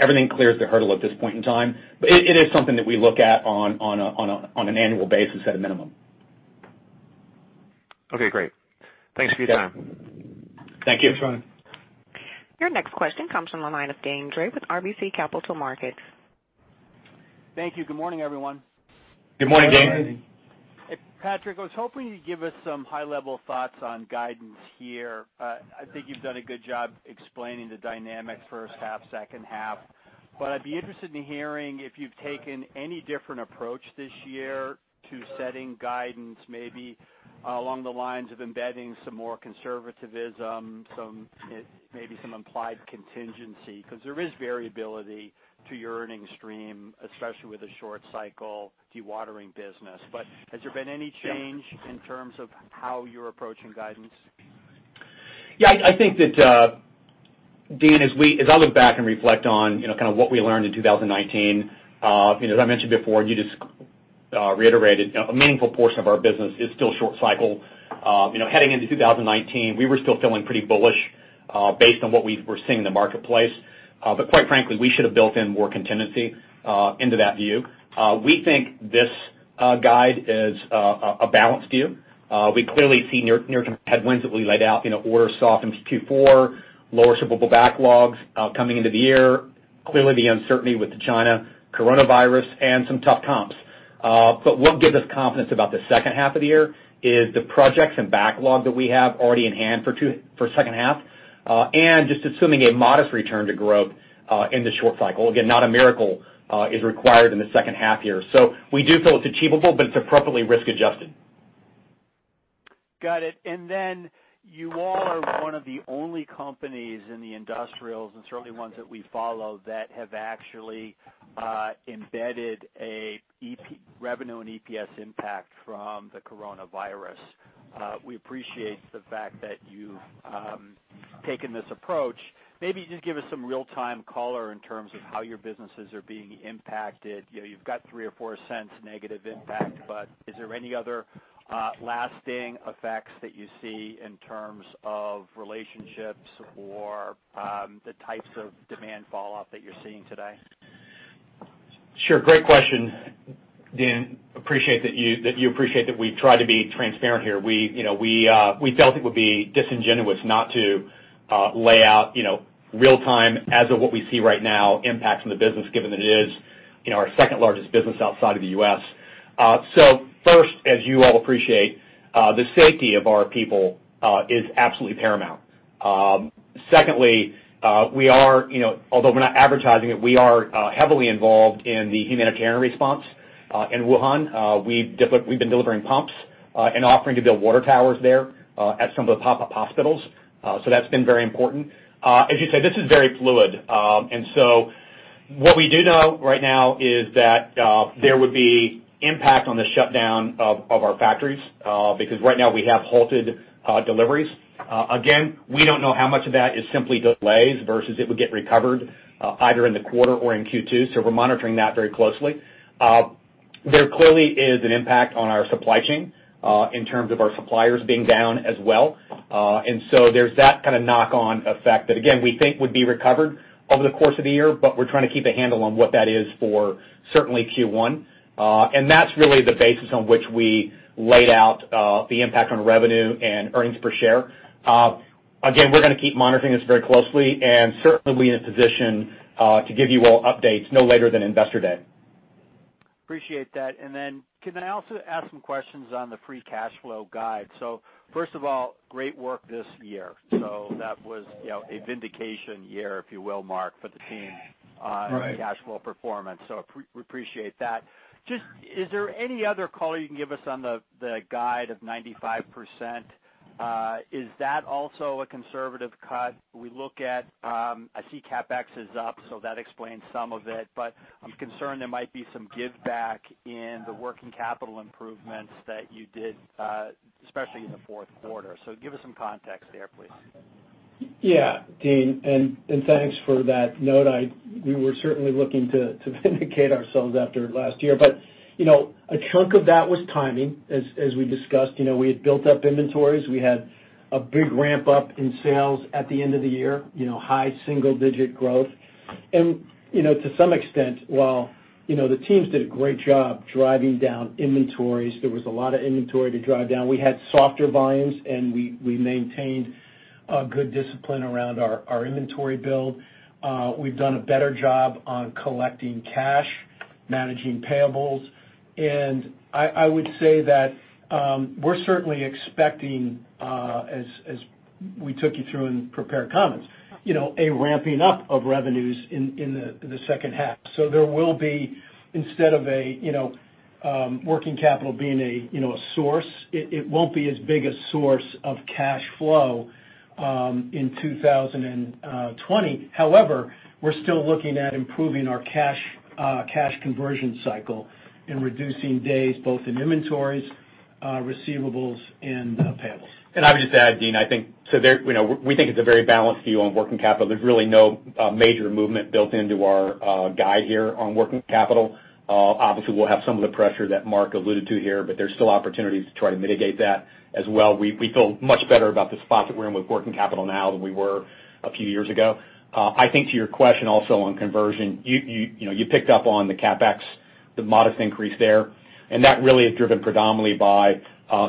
Everything clears the hurdle at this point in time, but it is something that we look at on an annual basis at a minimum. Okay, great. Thanks for your time. Thank you. Your next question comes from the line of Deane Dray with RBC Capital Markets. Thank you. Good morning, everyone. Good morning, Deane. Hey, Patrick, I was hoping you'd give us some high-level thoughts on guidance here. I think you've done a good job explaining the dynamics first half, second half. I'd be interested in hearing if you've taken any different approach this year to setting guidance, maybe along the lines of embedding some more conservativism, maybe some implied contingency, because there is variability to your earnings stream, especially with the short cycle dewatering business. Has there been any change in terms of how you're approaching guidance? Yeah, I think that, Deane, as I look back and reflect on kind of what we learned in 2019, as I mentioned before, you just reiterated, a meaningful portion of our business is still short cycle. Heading into 2019, we were still feeling pretty bullish based on what we were seeing in the marketplace. Quite frankly, we should have built in more contingency into that view. We think this guide is a balanced view. We clearly see near-term headwinds that we laid out. Orders soft in Q4, lower shippable backlogs coming into the year. Clearly the uncertainty with the China coronavirus and some tough comps. What gives us confidence about the second half of the year is the projects and backlog that we have already in hand for second half and just assuming a modest return to growth in the short cycle. Not a miracle is required in the second half year. We do feel it's achievable, but it's appropriately risk adjusted. Got it. You all are one of the only companies in the industrials, and certainly ones that we follow, that have actually embedded a revenue and EPS impact from the coronavirus. We appreciate the fact that you've taken this approach. Maybe just give us some real-time color in terms of how your businesses are being impacted. You've got $0.03 or $0.04 negative impact, but is there any other lasting effects that you see in terms of relationships or the types of demand fallout that you're seeing today? Sure. Great question, Deane. Appreciate that we try to be transparent here. We felt it would be disingenuous not to lay out real-time, as of what we see right now, impacts on the business, given that it is our second largest business outside of the U.S. First, as you all appreciate, the safety of our people is absolutely paramount. Secondly, although we're not advertising it, we are heavily involved in the humanitarian response in Wuhan. We've been delivering pumps and offering to build water towers there at some of the pop-up hospitals. That's been very important. As you say, this is very fluid. What we do know right now is that there would be impact on the shutdown of our factories, because right now we have halted deliveries. We don't know how much of that is simply delays versus it would get recovered either in the quarter or in Q2, so we're monitoring that very closely. There clearly is an impact on our supply chain in terms of our suppliers being down as well. There's that kind of knock-on effect that, again, we think would be recovered over the course of the year, but we're trying to keep a handle on what that is for certainly Q1. That's really the basis on which we laid out the impact on revenue and earnings per share. We're going to keep monitoring this very closely and certainly be in a position to give you all updates no later than Investor Day. Appreciate that. Can I also ask some questions on the free cash flow guide? First of all, great work this year. That was a vindication year, if you will, Mark, for the team. Right. On cash flow performance. We appreciate that. Is there any other color you can give us on the guide of 95%? Is that also a conservative cut? I see CapEx is up, that explains some of it, I'm concerned there might be some giveback in the working capital improvements that you did, especially in the fourth quarter. Give us some context there, please. Yeah. Deane, thanks for that note. We were certainly looking to vindicate ourselves after last year. A chunk of that was timing, as we discussed. We had built up inventories. We had a big ramp-up in sales at the end of the year, high single-digit growth. To some extent, while the teams did a great job driving down inventories, there was a lot of inventory to drive down. We had softer volumes, and we maintained a good discipline around our inventory build. We've done a better job on collecting cash, managing payables, and I would say that we're certainly expecting, as we took you through in prepared comments, a ramping up of revenues in the second half. There will be, instead of a working capital being a source, it won't be as big a source of cash flow in 2020. We're still looking at improving our cash conversion cycle and reducing days both in inventories, receivables, and payables. I would just add, Deane, we think it's a very balanced view on working capital. There's really no major movement built into our guide here on working capital. Obviously, we'll have some of the pressure that Mark alluded to here, but there's still opportunities to try to mitigate that as well. We feel much better about the spot that we're in with working capital now than we were a few years ago. I think to your question also on conversion, you picked up on the CapEx, the modest increase there, and that really is driven predominantly by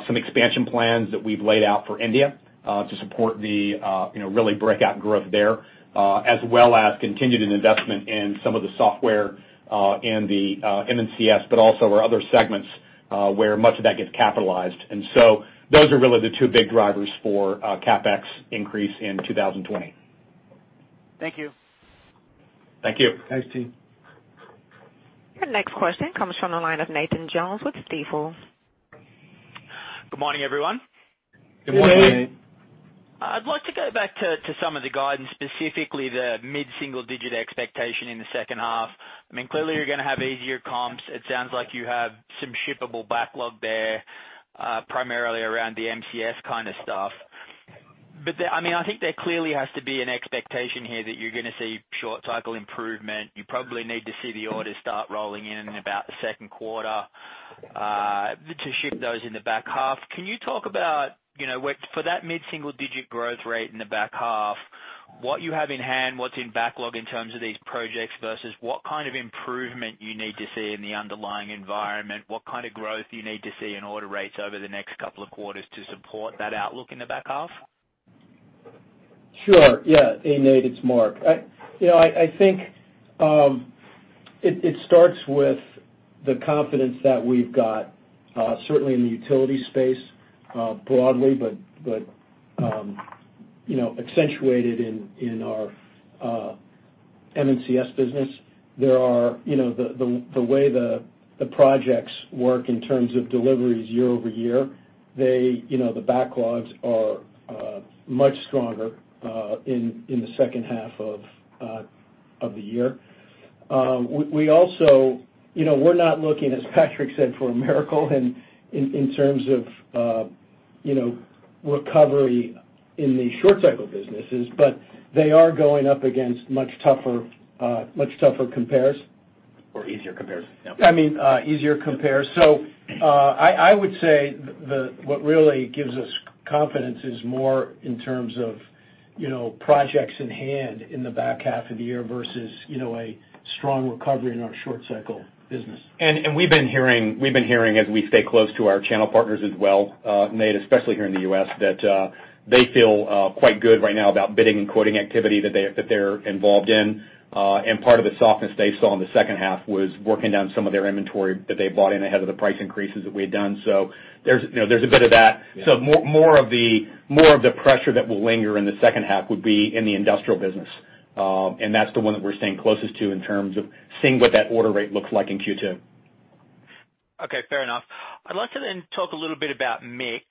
some expansion plans that we've laid out for India to support the really breakout growth there, as well as continued investment in some of the software in the M&CS, but also our other segments where much of that gets capitalized. Those are really the two big drivers for CapEx increase in 2020. Thank you. Thank you. Thanks, Deane. Your next question comes from the line of Nathan Jones with Stifel. Good morning, everyone. Good morning. Good morning. I'd like to go back to some of the guidance, specifically the mid-single-digit expectation in the second half. Clearly you're going to have easier comps. It sounds like you have some shippable backlog there, primarily around the M&CS kind of stuff. I think there clearly has to be an expectation here that you're going to see short-cycle improvement. You probably need to see the orders start rolling in about the second quarter to ship those in the back half. Can you talk about for that mid-single-digit growth rate in the back half, what you have in hand, what's in backlog in terms of these projects versus what kind of improvement you need to see in the underlying environment? What kind of growth do you need to see in order rates over the next couple of quarters to support that outlook in the back half? Sure. Yeah. Hey, Nate, it's Mark. I think it starts with the confidence that we've got certainly in the utility space broadly, but accentuated in our M&CS business, the way the projects work in terms of deliveries year-over-year, the backlogs are much stronger in the second half of the year. We're not looking, as Patrick said, for a miracle in terms of recovery in the short cycle businesses. They are going up against much tougher compares. Easier compares. I mean, easier compares. I would say what really gives us confidence is more in terms of projects in hand in the back half of the year versus a strong recovery in our short cycle business. We've been hearing, as we stay close to our channel partners as well, Nate, especially here in the U.S., that they feel quite good right now about bidding and quoting activity that they're involved in. Part of the softness they saw in the second half was working down some of their inventory that they bought in ahead of the price increases that we had done. There's a bit of that. Yeah. More of the pressure that will linger in the second half would be in the industrial business. That's the one that we're staying closest to in terms of seeing what that order rate looks like in Q2. Okay. Fair enough. I'd like to talk a little bit about mix,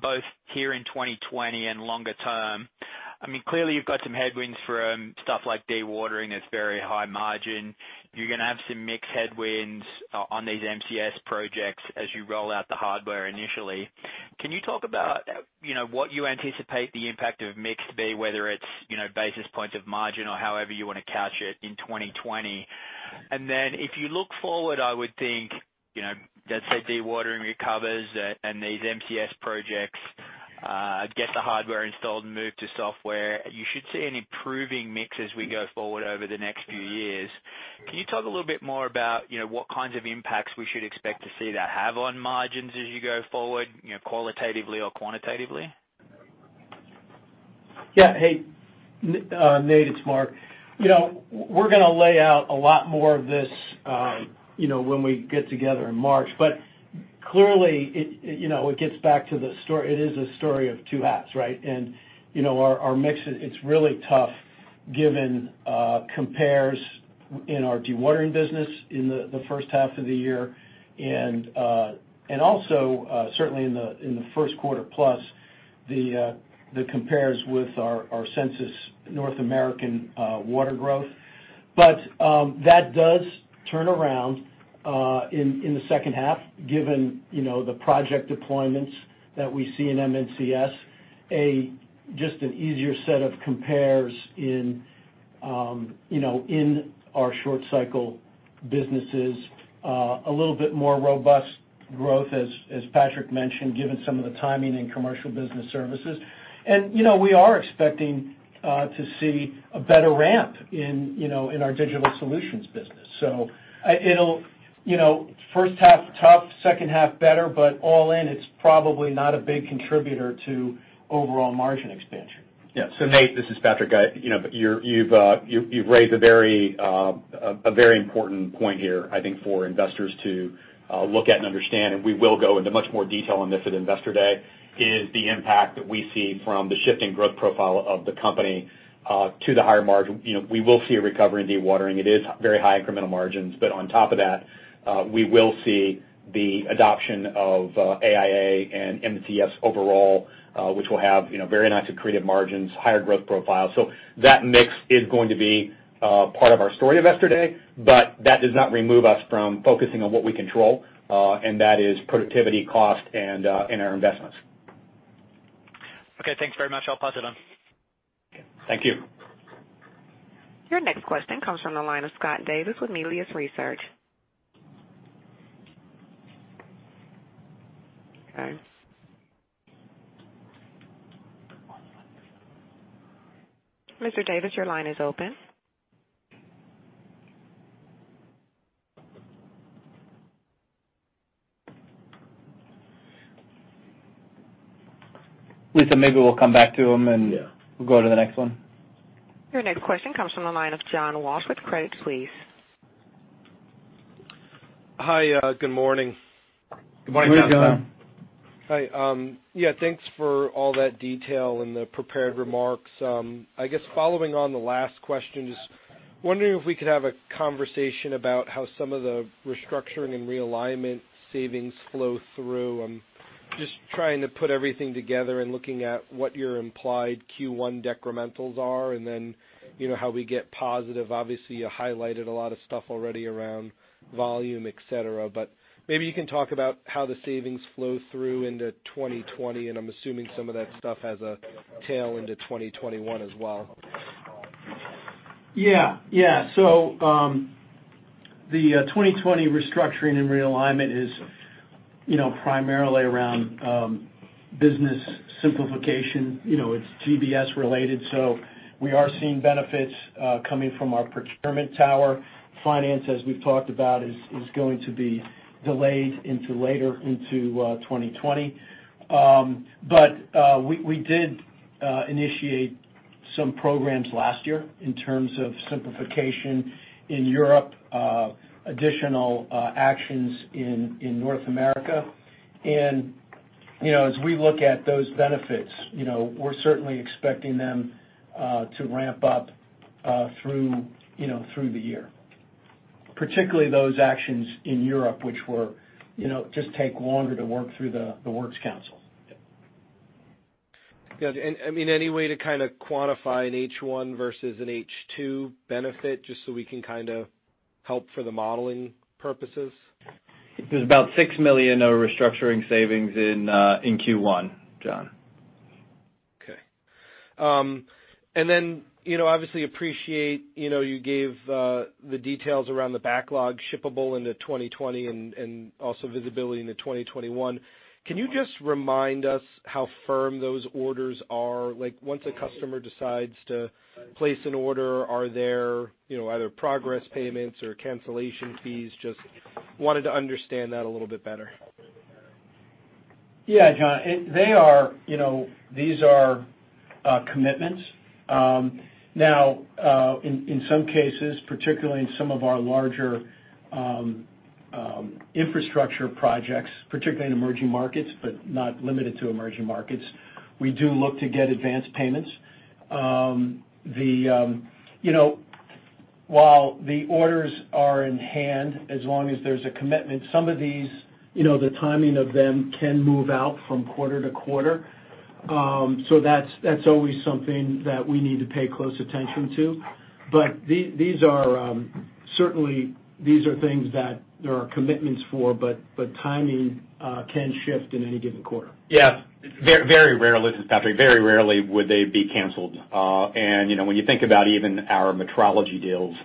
both here in 2020 and longer term. Clearly, you've got some headwinds from stuff like dewatering that's very high margin. You're going to have some mix headwinds on these M&CS projects as you roll out the hardware initially. Can you talk about what you anticipate the impact of mix to be, whether it's basis point of margin or however you want to couch it in 2020? If you look forward, I would think, let's say dewatering recovers and these M&CS projects get the hardware installed and move to software, you should see an improving mix as we go forward over the next few years. Can you talk a little bit more about what kinds of impacts we should expect to see that have on margins as you go forward, qualitatively or quantitatively? Yeah. Hey, Nate, it's Mark. We're going to lay out a lot more of this when we get together in March. Clearly, it is a story of two halves, right? Our mix, it's really tough given compares in our dewatering business in the first half of the year, and also certainly in the first quarter plus, the compares with our Sensus North American water growth. That does turn around in the second half given the project deployments that we see in M&CS. Just an easier set of compares in our short cycle businesses. A little bit more robust growth, as Patrick mentioned, given some of the timing in commercial business services. We are expecting to see a better ramp in our digital solutions business. First half tough, second half better, but all in, it's probably not a big contributor to overall margin expansion. Yeah. Nate, this is Patrick. You've raised a very important point here, I think, for investors to look at and understand, and we will go into much more detail on this at Investor Day, is the impact that we see from the shifting growth profile of the company to the higher margin. We will see a recovery in dewatering. It is very high incremental margins. On top of that, we will see the adoption of AIA and M&CS overall, which will have very accretive margins, higher growth profile. That mix is going to be part of our story Investor Day, but that does not remove us from focusing on what we control, and that is productivity, cost, and our investments. Okay, thanks very much. I'll pause then. Thank you. Your next question comes from the line of Scott Davis with Melius Research. Okay. Mr. Davis, your line is open. Lisa, maybe we'll come back to him. Yeah we'll go to the next one. Your next question comes from the line of John Walsh with Credit Suisse. Hi, good morning. Good morning, John. How's it going? Hi. Yeah, thanks for all that detail and the prepared remarks. I guess following on the last question, just wondering if we could have a conversation about how some of the restructuring and realignment savings flow through. I'm just trying to put everything together and looking at what your implied Q1 decrementals are and then how we get positive. Obviously, you highlighted a lot of stuff already around volume, et cetera. Maybe you can talk about how the savings flow through into 2020, and I'm assuming some of that stuff has a tail into 2021 as well. The 2020 restructuring and realignment is primarily around business simplification. It's GBS related. We are seeing benefits coming from our procurement tower. Finance, as we've talked about, is going to be delayed into later into 2020. We did initiate some programs last year in terms of simplification in Europe, additional actions in North America. As we look at those benefits, we're certainly expecting them to ramp up through the year, particularly those actions in Europe, which just take longer to work through the works council. Yeah. Any way to kind of quantify an H1 versus an H2 benefit, just so we can kind of help for the modeling purposes? There's about $6 million of restructuring savings in Q1, John. Okay. Obviously appreciate you gave the details around the backlog shippable into 2020 and also visibility into 2021. Can you just remind us how firm those orders are? Once a customer decides to place an order, are there either progress payments or cancellation fees? Just wanted to understand that a little bit better. Yeah, John. These are commitments. In some cases, particularly in some of our larger infrastructure projects, particularly in emerging markets, but not limited to emerging markets, we do look to get advanced payments. While the orders are in hand, as long as there's a commitment, some of the timing of them can move out from quarter-to-quarter. That's always something that we need to pay close attention to. Certainly, these are things that there are commitments for, but timing can shift in any given quarter. Yeah. Very rarely. This is Patrick. Very rarely would they be canceled. When you think about even our metrology deals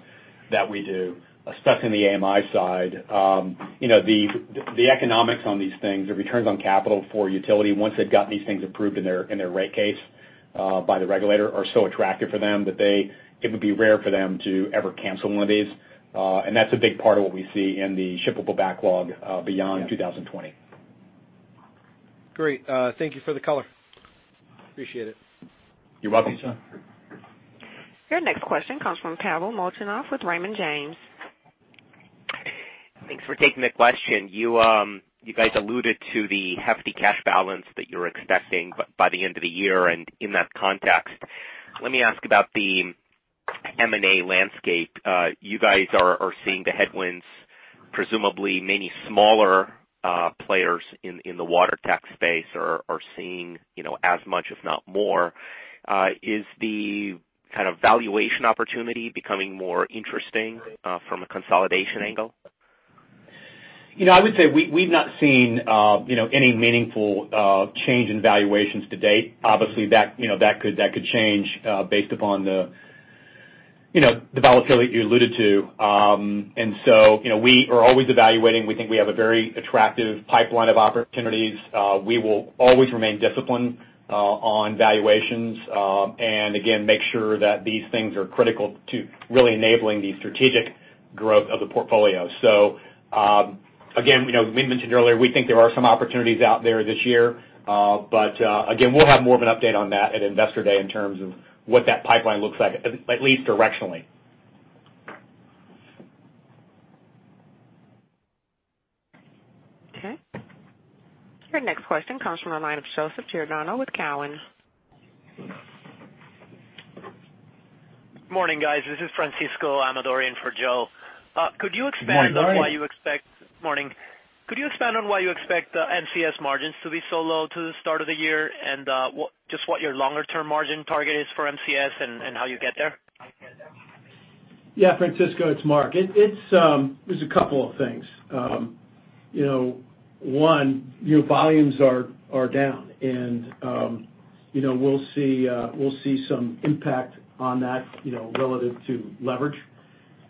that we do, especially in the AMI side, the economics on these things, the returns on capital for utility, once they've got these things approved in their rate case by the regulator are so attractive for them that it would be rare for them to ever cancel one of these. That's a big part of what we see in the shippable backlog beyond 2020. Great. Thank you for the color. Appreciate it. You're welcome, John. Your next question comes from Pavel Molchanov with Raymond James. Thanks for taking the question. You guys alluded to the hefty cash balance that you're expecting by the end of the year, and in that context, let me ask about the M&A landscape. You guys are seeing the headwinds, presumably many smaller players in the water tech space are seeing as much, if not more. Is the kind of valuation opportunity becoming more interesting from a consolidation angle? I would say we've not seen any meaningful change in valuations to date. Obviously, that could change based upon the volatility you alluded to. We are always evaluating. We think we have a very attractive pipeline of opportunities. We will always remain disciplined on valuations. Again, make sure that these things are critical to really enabling the strategic growth of the portfolio. Again, we mentioned earlier, we think there are some opportunities out there this year. Again, we'll have more of an update on that at Investor Day in terms of what that pipeline looks like, at least directionally. Okay. Your next question comes from the line of Joseph Giordano with Cowen. Morning, guys. This is Francisco Amador in for Joe. Good morning. Morning. Could you expand on why you expect the M&CS margins to be so low to the start of the year and just what your longer-term margin target is for M&CS and how you get there? Francisco, it's Mark. There's a couple of things. One, volumes are down and we'll see some impact on that relative to leverage.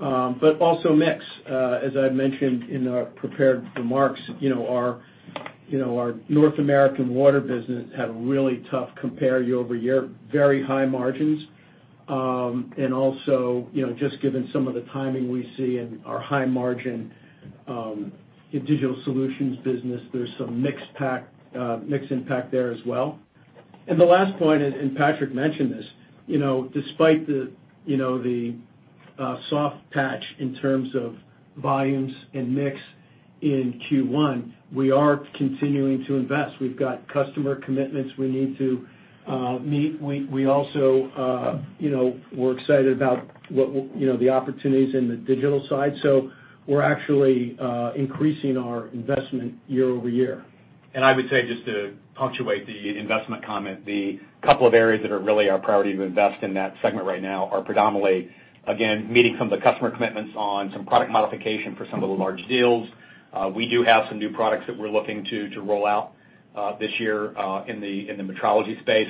Also mix. As I mentioned in our prepared remarks, our North American water business had a really tough compare year-over-year, very high margins. Also just given some of the timing we see in our high-margin digital solutions business, there's some mix impact there as well. The last point, and Patrick mentioned this, despite the soft patch in terms of volumes and mix in Q1, we are continuing to invest. We've got customer commitments we need to meet. We also we're excited about the opportunities in the digital side. We're actually increasing our investment year-over-year. I would say, just to punctuate the investment comment, the couple of areas that are really our priority to invest in that segment right now are predominantly, again, meeting some of the customer commitments on some product modification for some of the large deals. We do have some new products that we're looking to roll out this year in the metrology space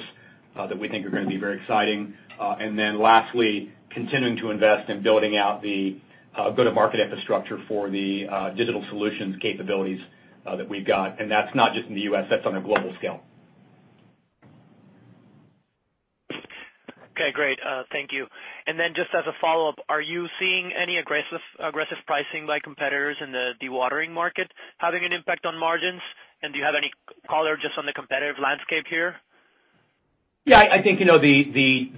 that we think are going to be very exciting. Then lastly, continuing to invest in building out the go-to-market infrastructure for the digital solutions capabilities that we've got. That's not just in the U.S., that's on a global scale. Okay, great. Thank you. Just as a follow-up, are you seeing any aggressive pricing by competitors in the dewatering market having an impact on margins? Do you have any color just on the competitive landscape here? Yeah, I think the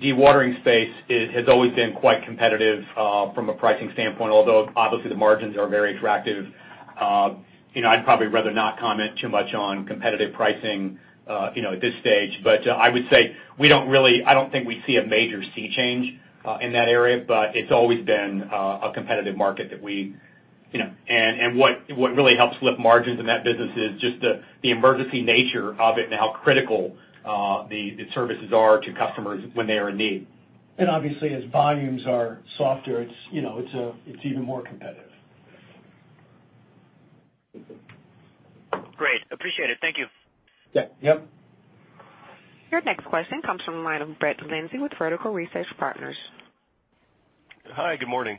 dewatering space has always been quite competitive from a pricing standpoint, although obviously the margins are very attractive. I'd probably rather not comment too much on competitive pricing at this stage. I would say, I don't think we see a major sea change in that area, but it's always been a competitive market. What really helps lift margins in that business is just the emergency nature of it and how critical the services are to customers when they are in need. Obviously, as volumes are softer, it's even more competitive. Great. Appreciate it. Thank you. Yeah. Yep. Your next question comes from the line of Brett Linzey with Vertical Research Partners. Hi. Good morning.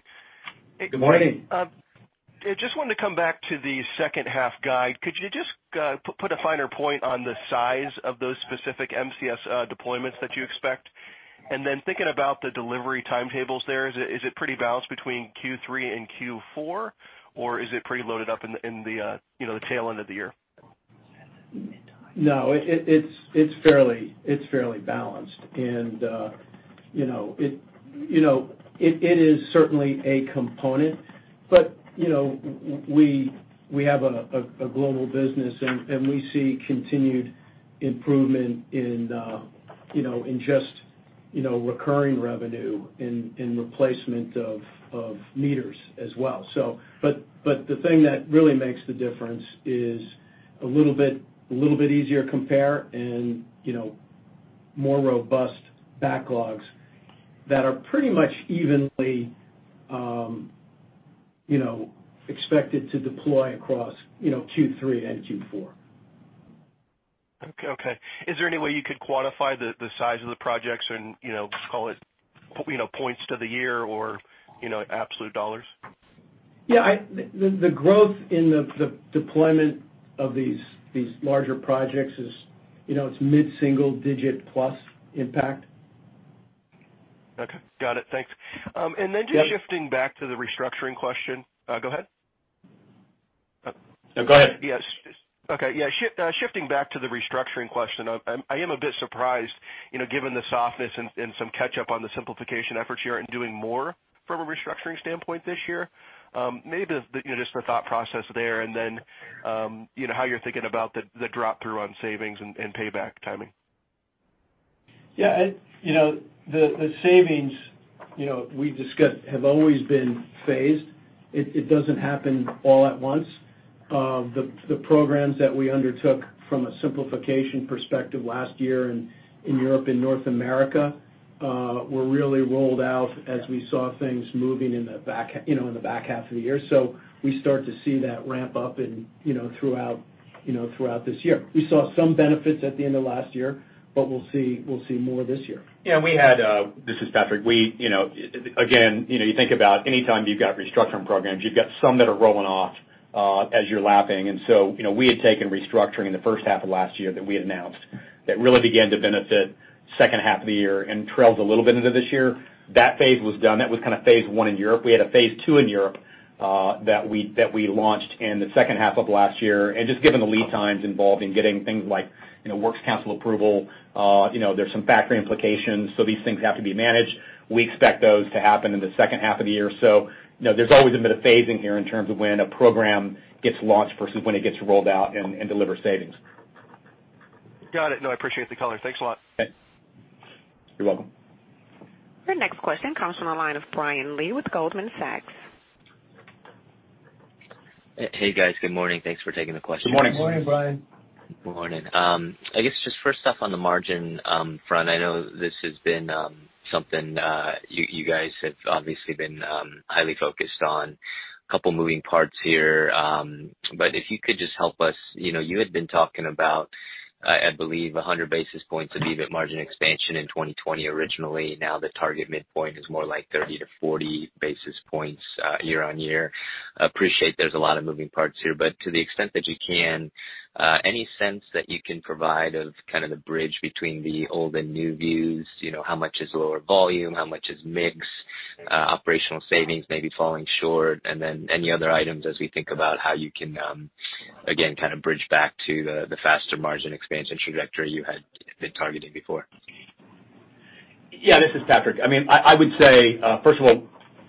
Good morning. I just wanted to come back to the second half guide. Could you just put a finer point on the size of those specific M&CS deployments that you expect? Then thinking about the delivery timetables there, is it pretty balanced between Q3 and Q4, or is it pretty loaded up in the tail end of the year? No, it's fairly balanced. It is certainly a component. We have a global business, and we see continued improvement in just recurring revenue in replacement of meters as well. The thing that really makes the difference is a little bit easier compare and more robust backlogs that are pretty much evenly expected to deploy across Q3 and Q4. Okay. Is there any way you could quantify the size of the projects and call it points to the year or absolute dollars? Yeah. The growth in the deployment of these larger projects is mid-single-digit plus impact. Okay. Got it. Thanks. Yep. Just shifting back to the restructuring question. Go ahead? No, go ahead. Shifting back to the restructuring question. I am a bit surprised, given the softness and some catch-up on the simplification efforts here and doing more from a restructuring standpoint this year. Maybe just the thought process there, and then how you're thinking about the drop-through on savings and payback timing? Yeah. The savings we discussed have always been phased. It doesn't happen all at once. The programs that we undertook from a simplification perspective last year in Europe and North America were really rolled out as we saw things moving in the back half of the year. We start to see that ramp up throughout this year. We saw some benefits at the end of last year, but we'll see more this year. Yeah. This is Patrick. You think about anytime you've got restructuring programs, you've got some that are rolling off as you're lapping. We had taken restructuring in the first half of last year that we had announced that really began to benefit second half of the year and trailed a little bit into this year. That phase was done. That was Phase 1 in Europe. We had a Phase 2 in Europe that we launched in the second half of last year. Just given the lead times involved in getting things like works council approval, there's some factory implications. These things have to be managed. We expect those to happen in the second half of the year. There's always a bit of phasing here in terms of when a program gets launched versus when it gets rolled out and delivers savings. Got it. No, I appreciate the color. Thanks a lot. You're welcome. Your next question comes from the line of Brian Lee with Goldman Sachs. Hey, guys. Good morning. Thanks for taking the question. Good morning. Good morning, Brian. Good morning. I guess just first off, on the margin front, I know this has been something you guys have obviously been highly focused on. A couple moving parts here. But if you could just help us, you had been talking about, I believe, 100 basis points of EBIT margin expansion in 2020 originally. Now the target midpoint is more like 30-40 basis points year-on-year. Appreciate there's a lot of moving parts here, but to the extent that you can, any sense that you can provide of kind of the bridge between the old and new views? How much is lower volume? How much is mix? Operational savings maybe falling short, and then any other items as we think about how you can, again, kind of bridge back to the faster margin expansion trajectory you had been targeting before. This is Patrick. I would say, first of all,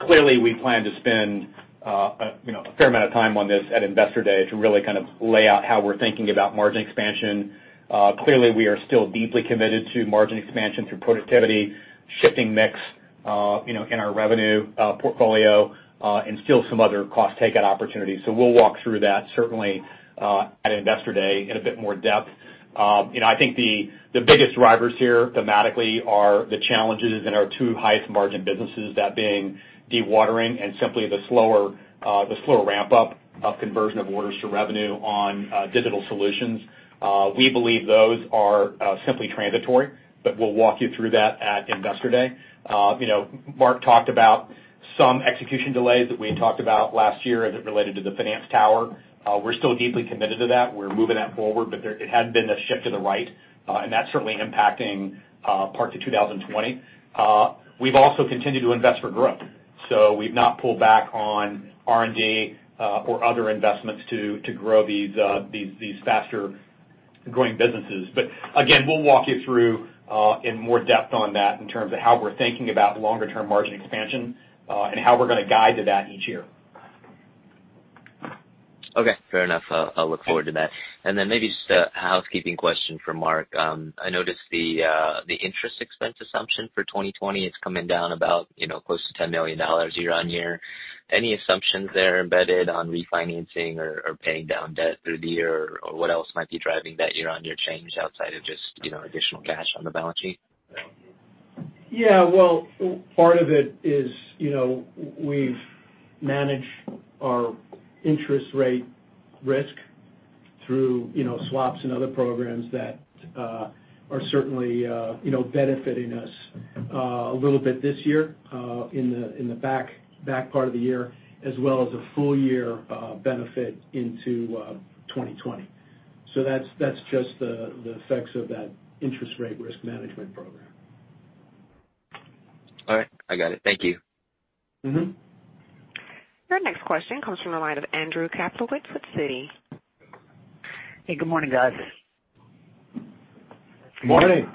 clearly, we plan to spend a fair amount of time on this at Investor Day to really lay out how we're thinking about margin expansion. We are still deeply committed to margin expansion through productivity, shifting mix in our revenue portfolio, and still some other cost takeout opportunities. We'll walk through that certainly at Investor Day in a bit more depth. I think the biggest drivers here thematically are the challenges in our two highest margin businesses, that being dewatering and simply the slower ramp-up of conversion of orders to revenue on digital solutions. We believe those are simply transitory, we'll walk you through that at Investor Day. Mark talked about some execution delays that we had talked about last year as it related to the finance tower. We're still deeply committed to that. We're moving that forward, but it had been a shift to the right, and that's certainly impacting parts of 2020. We've also continued to invest for growth. We've not pulled back on R&D or other investments to grow these faster growing businesses. Again, we'll walk you through in more depth on that in terms of how we're thinking about longer term margin expansion, and how we're going to guide to that each year. Okay, fair enough. I'll look forward to that. Maybe just a housekeeping question for Mark. I noticed the interest expense assumption for 2020. It's coming down about close to $10 million year-on-year. Any assumptions there embedded on refinancing or paying down debt through the year? What else might be driving that year-on-year change outside of just additional cash on the balance sheet? Yeah. Well, part of it is we've managed our interest rate risk through swaps and other programs that are certainly benefiting us a little bit this year, in the back part of the year, as well as a full year benefit into 2020. That's just the effects of that interest rate risk management program. All right, I got it. Thank you. Your next question comes from the line of Andrew Kaplowitz at Citi. Hey, good morning, guys. Morning. Morning.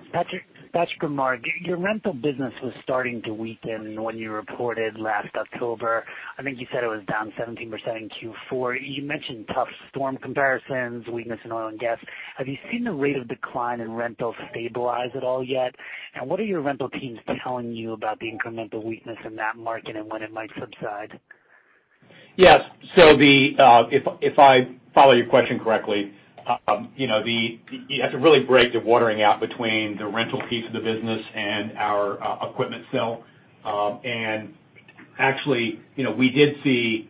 Patrick and Mark, your rental business was starting to weaken when you reported last October. I think you said it was down 17% in Q4. You mentioned tough storm comparisons, weakness in oil and gas. Have you seen the rate of decline in rentals stabilize at all yet? What are your rental teams telling you about the incremental weakness in that market and when it might subside? Yes. If I follow your question correctly, you have to really break the Water Infrastructure out between the rental piece of the business and our equipment sales. Actually, we did see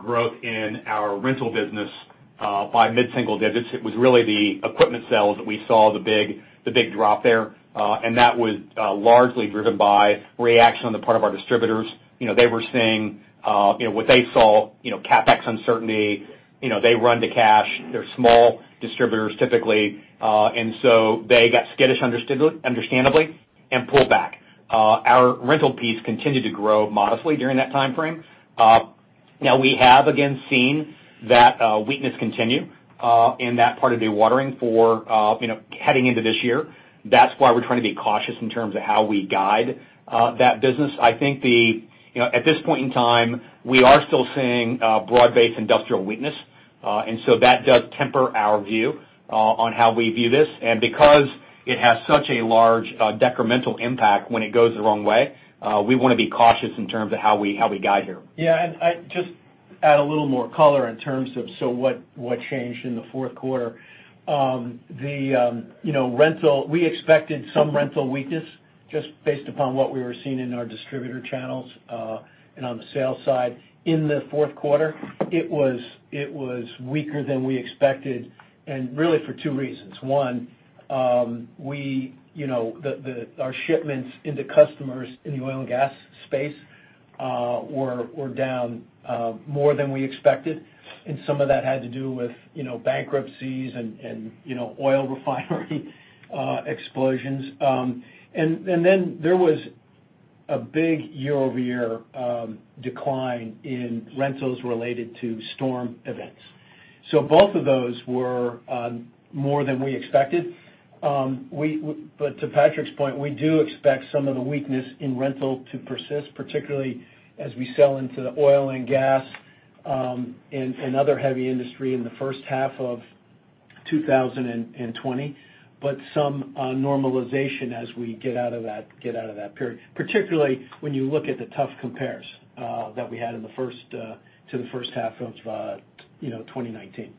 growth in our rental business by mid-single-digits. It was really the equipment sales that we saw the big drop there. That was largely driven by reaction on the part of our distributors. They were seeing what they saw, CapEx uncertainty. They run to cash. They're small distributors, typically. They got skittish understandably, and pulled back. Our rental piece continued to grow modestly during that timeframe. We have again seen that weakness continue in that part of the Water Infrastructure for heading into this year. That's why we're trying to be cautious in terms of how we guide that business. I think at this point in time, we are still seeing broad-based industrial weakness. That does temper our view on how we view this. Because it has such a large detrimental impact when it goes the wrong way, we want to be cautious in terms of how we guide here. I just add a little more color in terms of what changed in the fourth quarter. We expected some rental weakness just based upon what we were seeing in our distributor channels, and on the sales side. In the fourth quarter, it was weaker than we expected, really for two reasons. One, our shipments into customers in the oil and gas space were down more than we expected, some of that had to do with bankruptcies and oil refinery explosions. There was a big year-over-year decline in rentals related to storm events. Both of those were more than we expected. To Patrick's point, we do expect some of the weakness in rental to persist, particularly as we sell into the oil and gas, and other heavy industry in the first half of 2020. Some normalization as we get out of that period, particularly when you look at the tough compares that we had to the first half of 2019.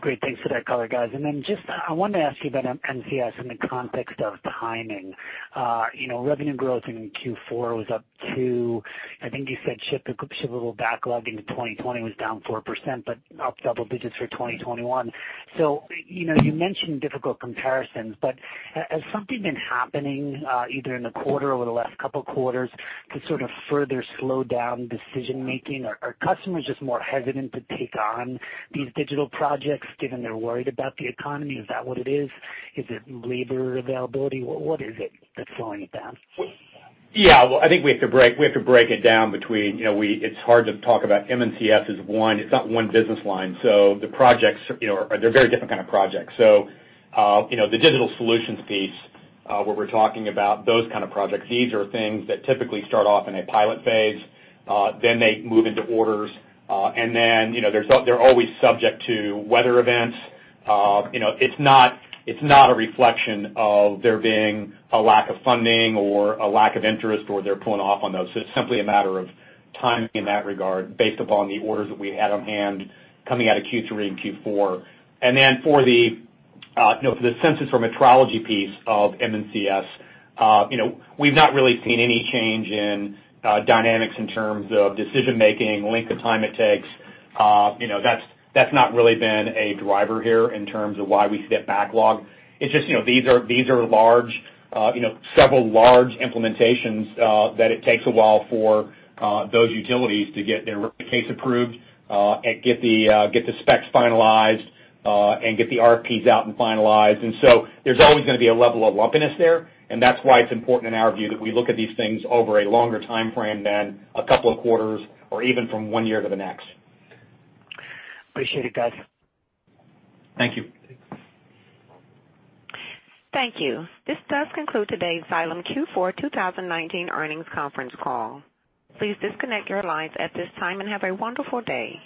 Great. Thanks for that color, guys. Just I wanted to ask you about M&CS in the context of timing. Revenue growth in Q4 was up to, I think you said ship a little backlogged into 2020 was down 4%, but up double-digits for 2021. You mentioned difficult comparisons, but has something been happening, either in the quarter over the last couple of quarters to sort of further slow down decision-making? Are customers just more hesitant to take on these digital projects, given they're worried about the economy? Is that what it is? Is it labor availability? What is it that's slowing it down? Well, I think we have to break it down between, it's hard to talk about M&CS as one. It's not one business line. They're very different kind of projects. The digital solutions piece, where we're talking about those kind of projects. These are things that typically start off in a pilot phase, then they move into orders, and then they're always subject to weather events. It's not a reflection of there being a lack of funding or a lack of interest, or they're pulling off on those. It's simply a matter of timing in that regard based upon the orders that we had on hand coming out of Q3 and Q4. For the Sensus or metrology piece of M&CS, we've not really seen any change in dynamics in terms of decision-making, length of time it takes. That's not really been a driver here in terms of why we see a backlog. It's just these are several large implementations that it takes a while for those utilities to get their case approved, and get the specs finalized, and get the RFPs out and finalized. There's always going to be a level of lumpiness there, and that's why it's important in our view, that we look at these things over a longer timeframe than a couple of quarters or even from one year to the next. Appreciate it, guys. Thank you. Thanks. Thank you. This does conclude today's Xylem Q4 2019 earnings conference call. Please disconnect your lines at this time and have a wonderful day.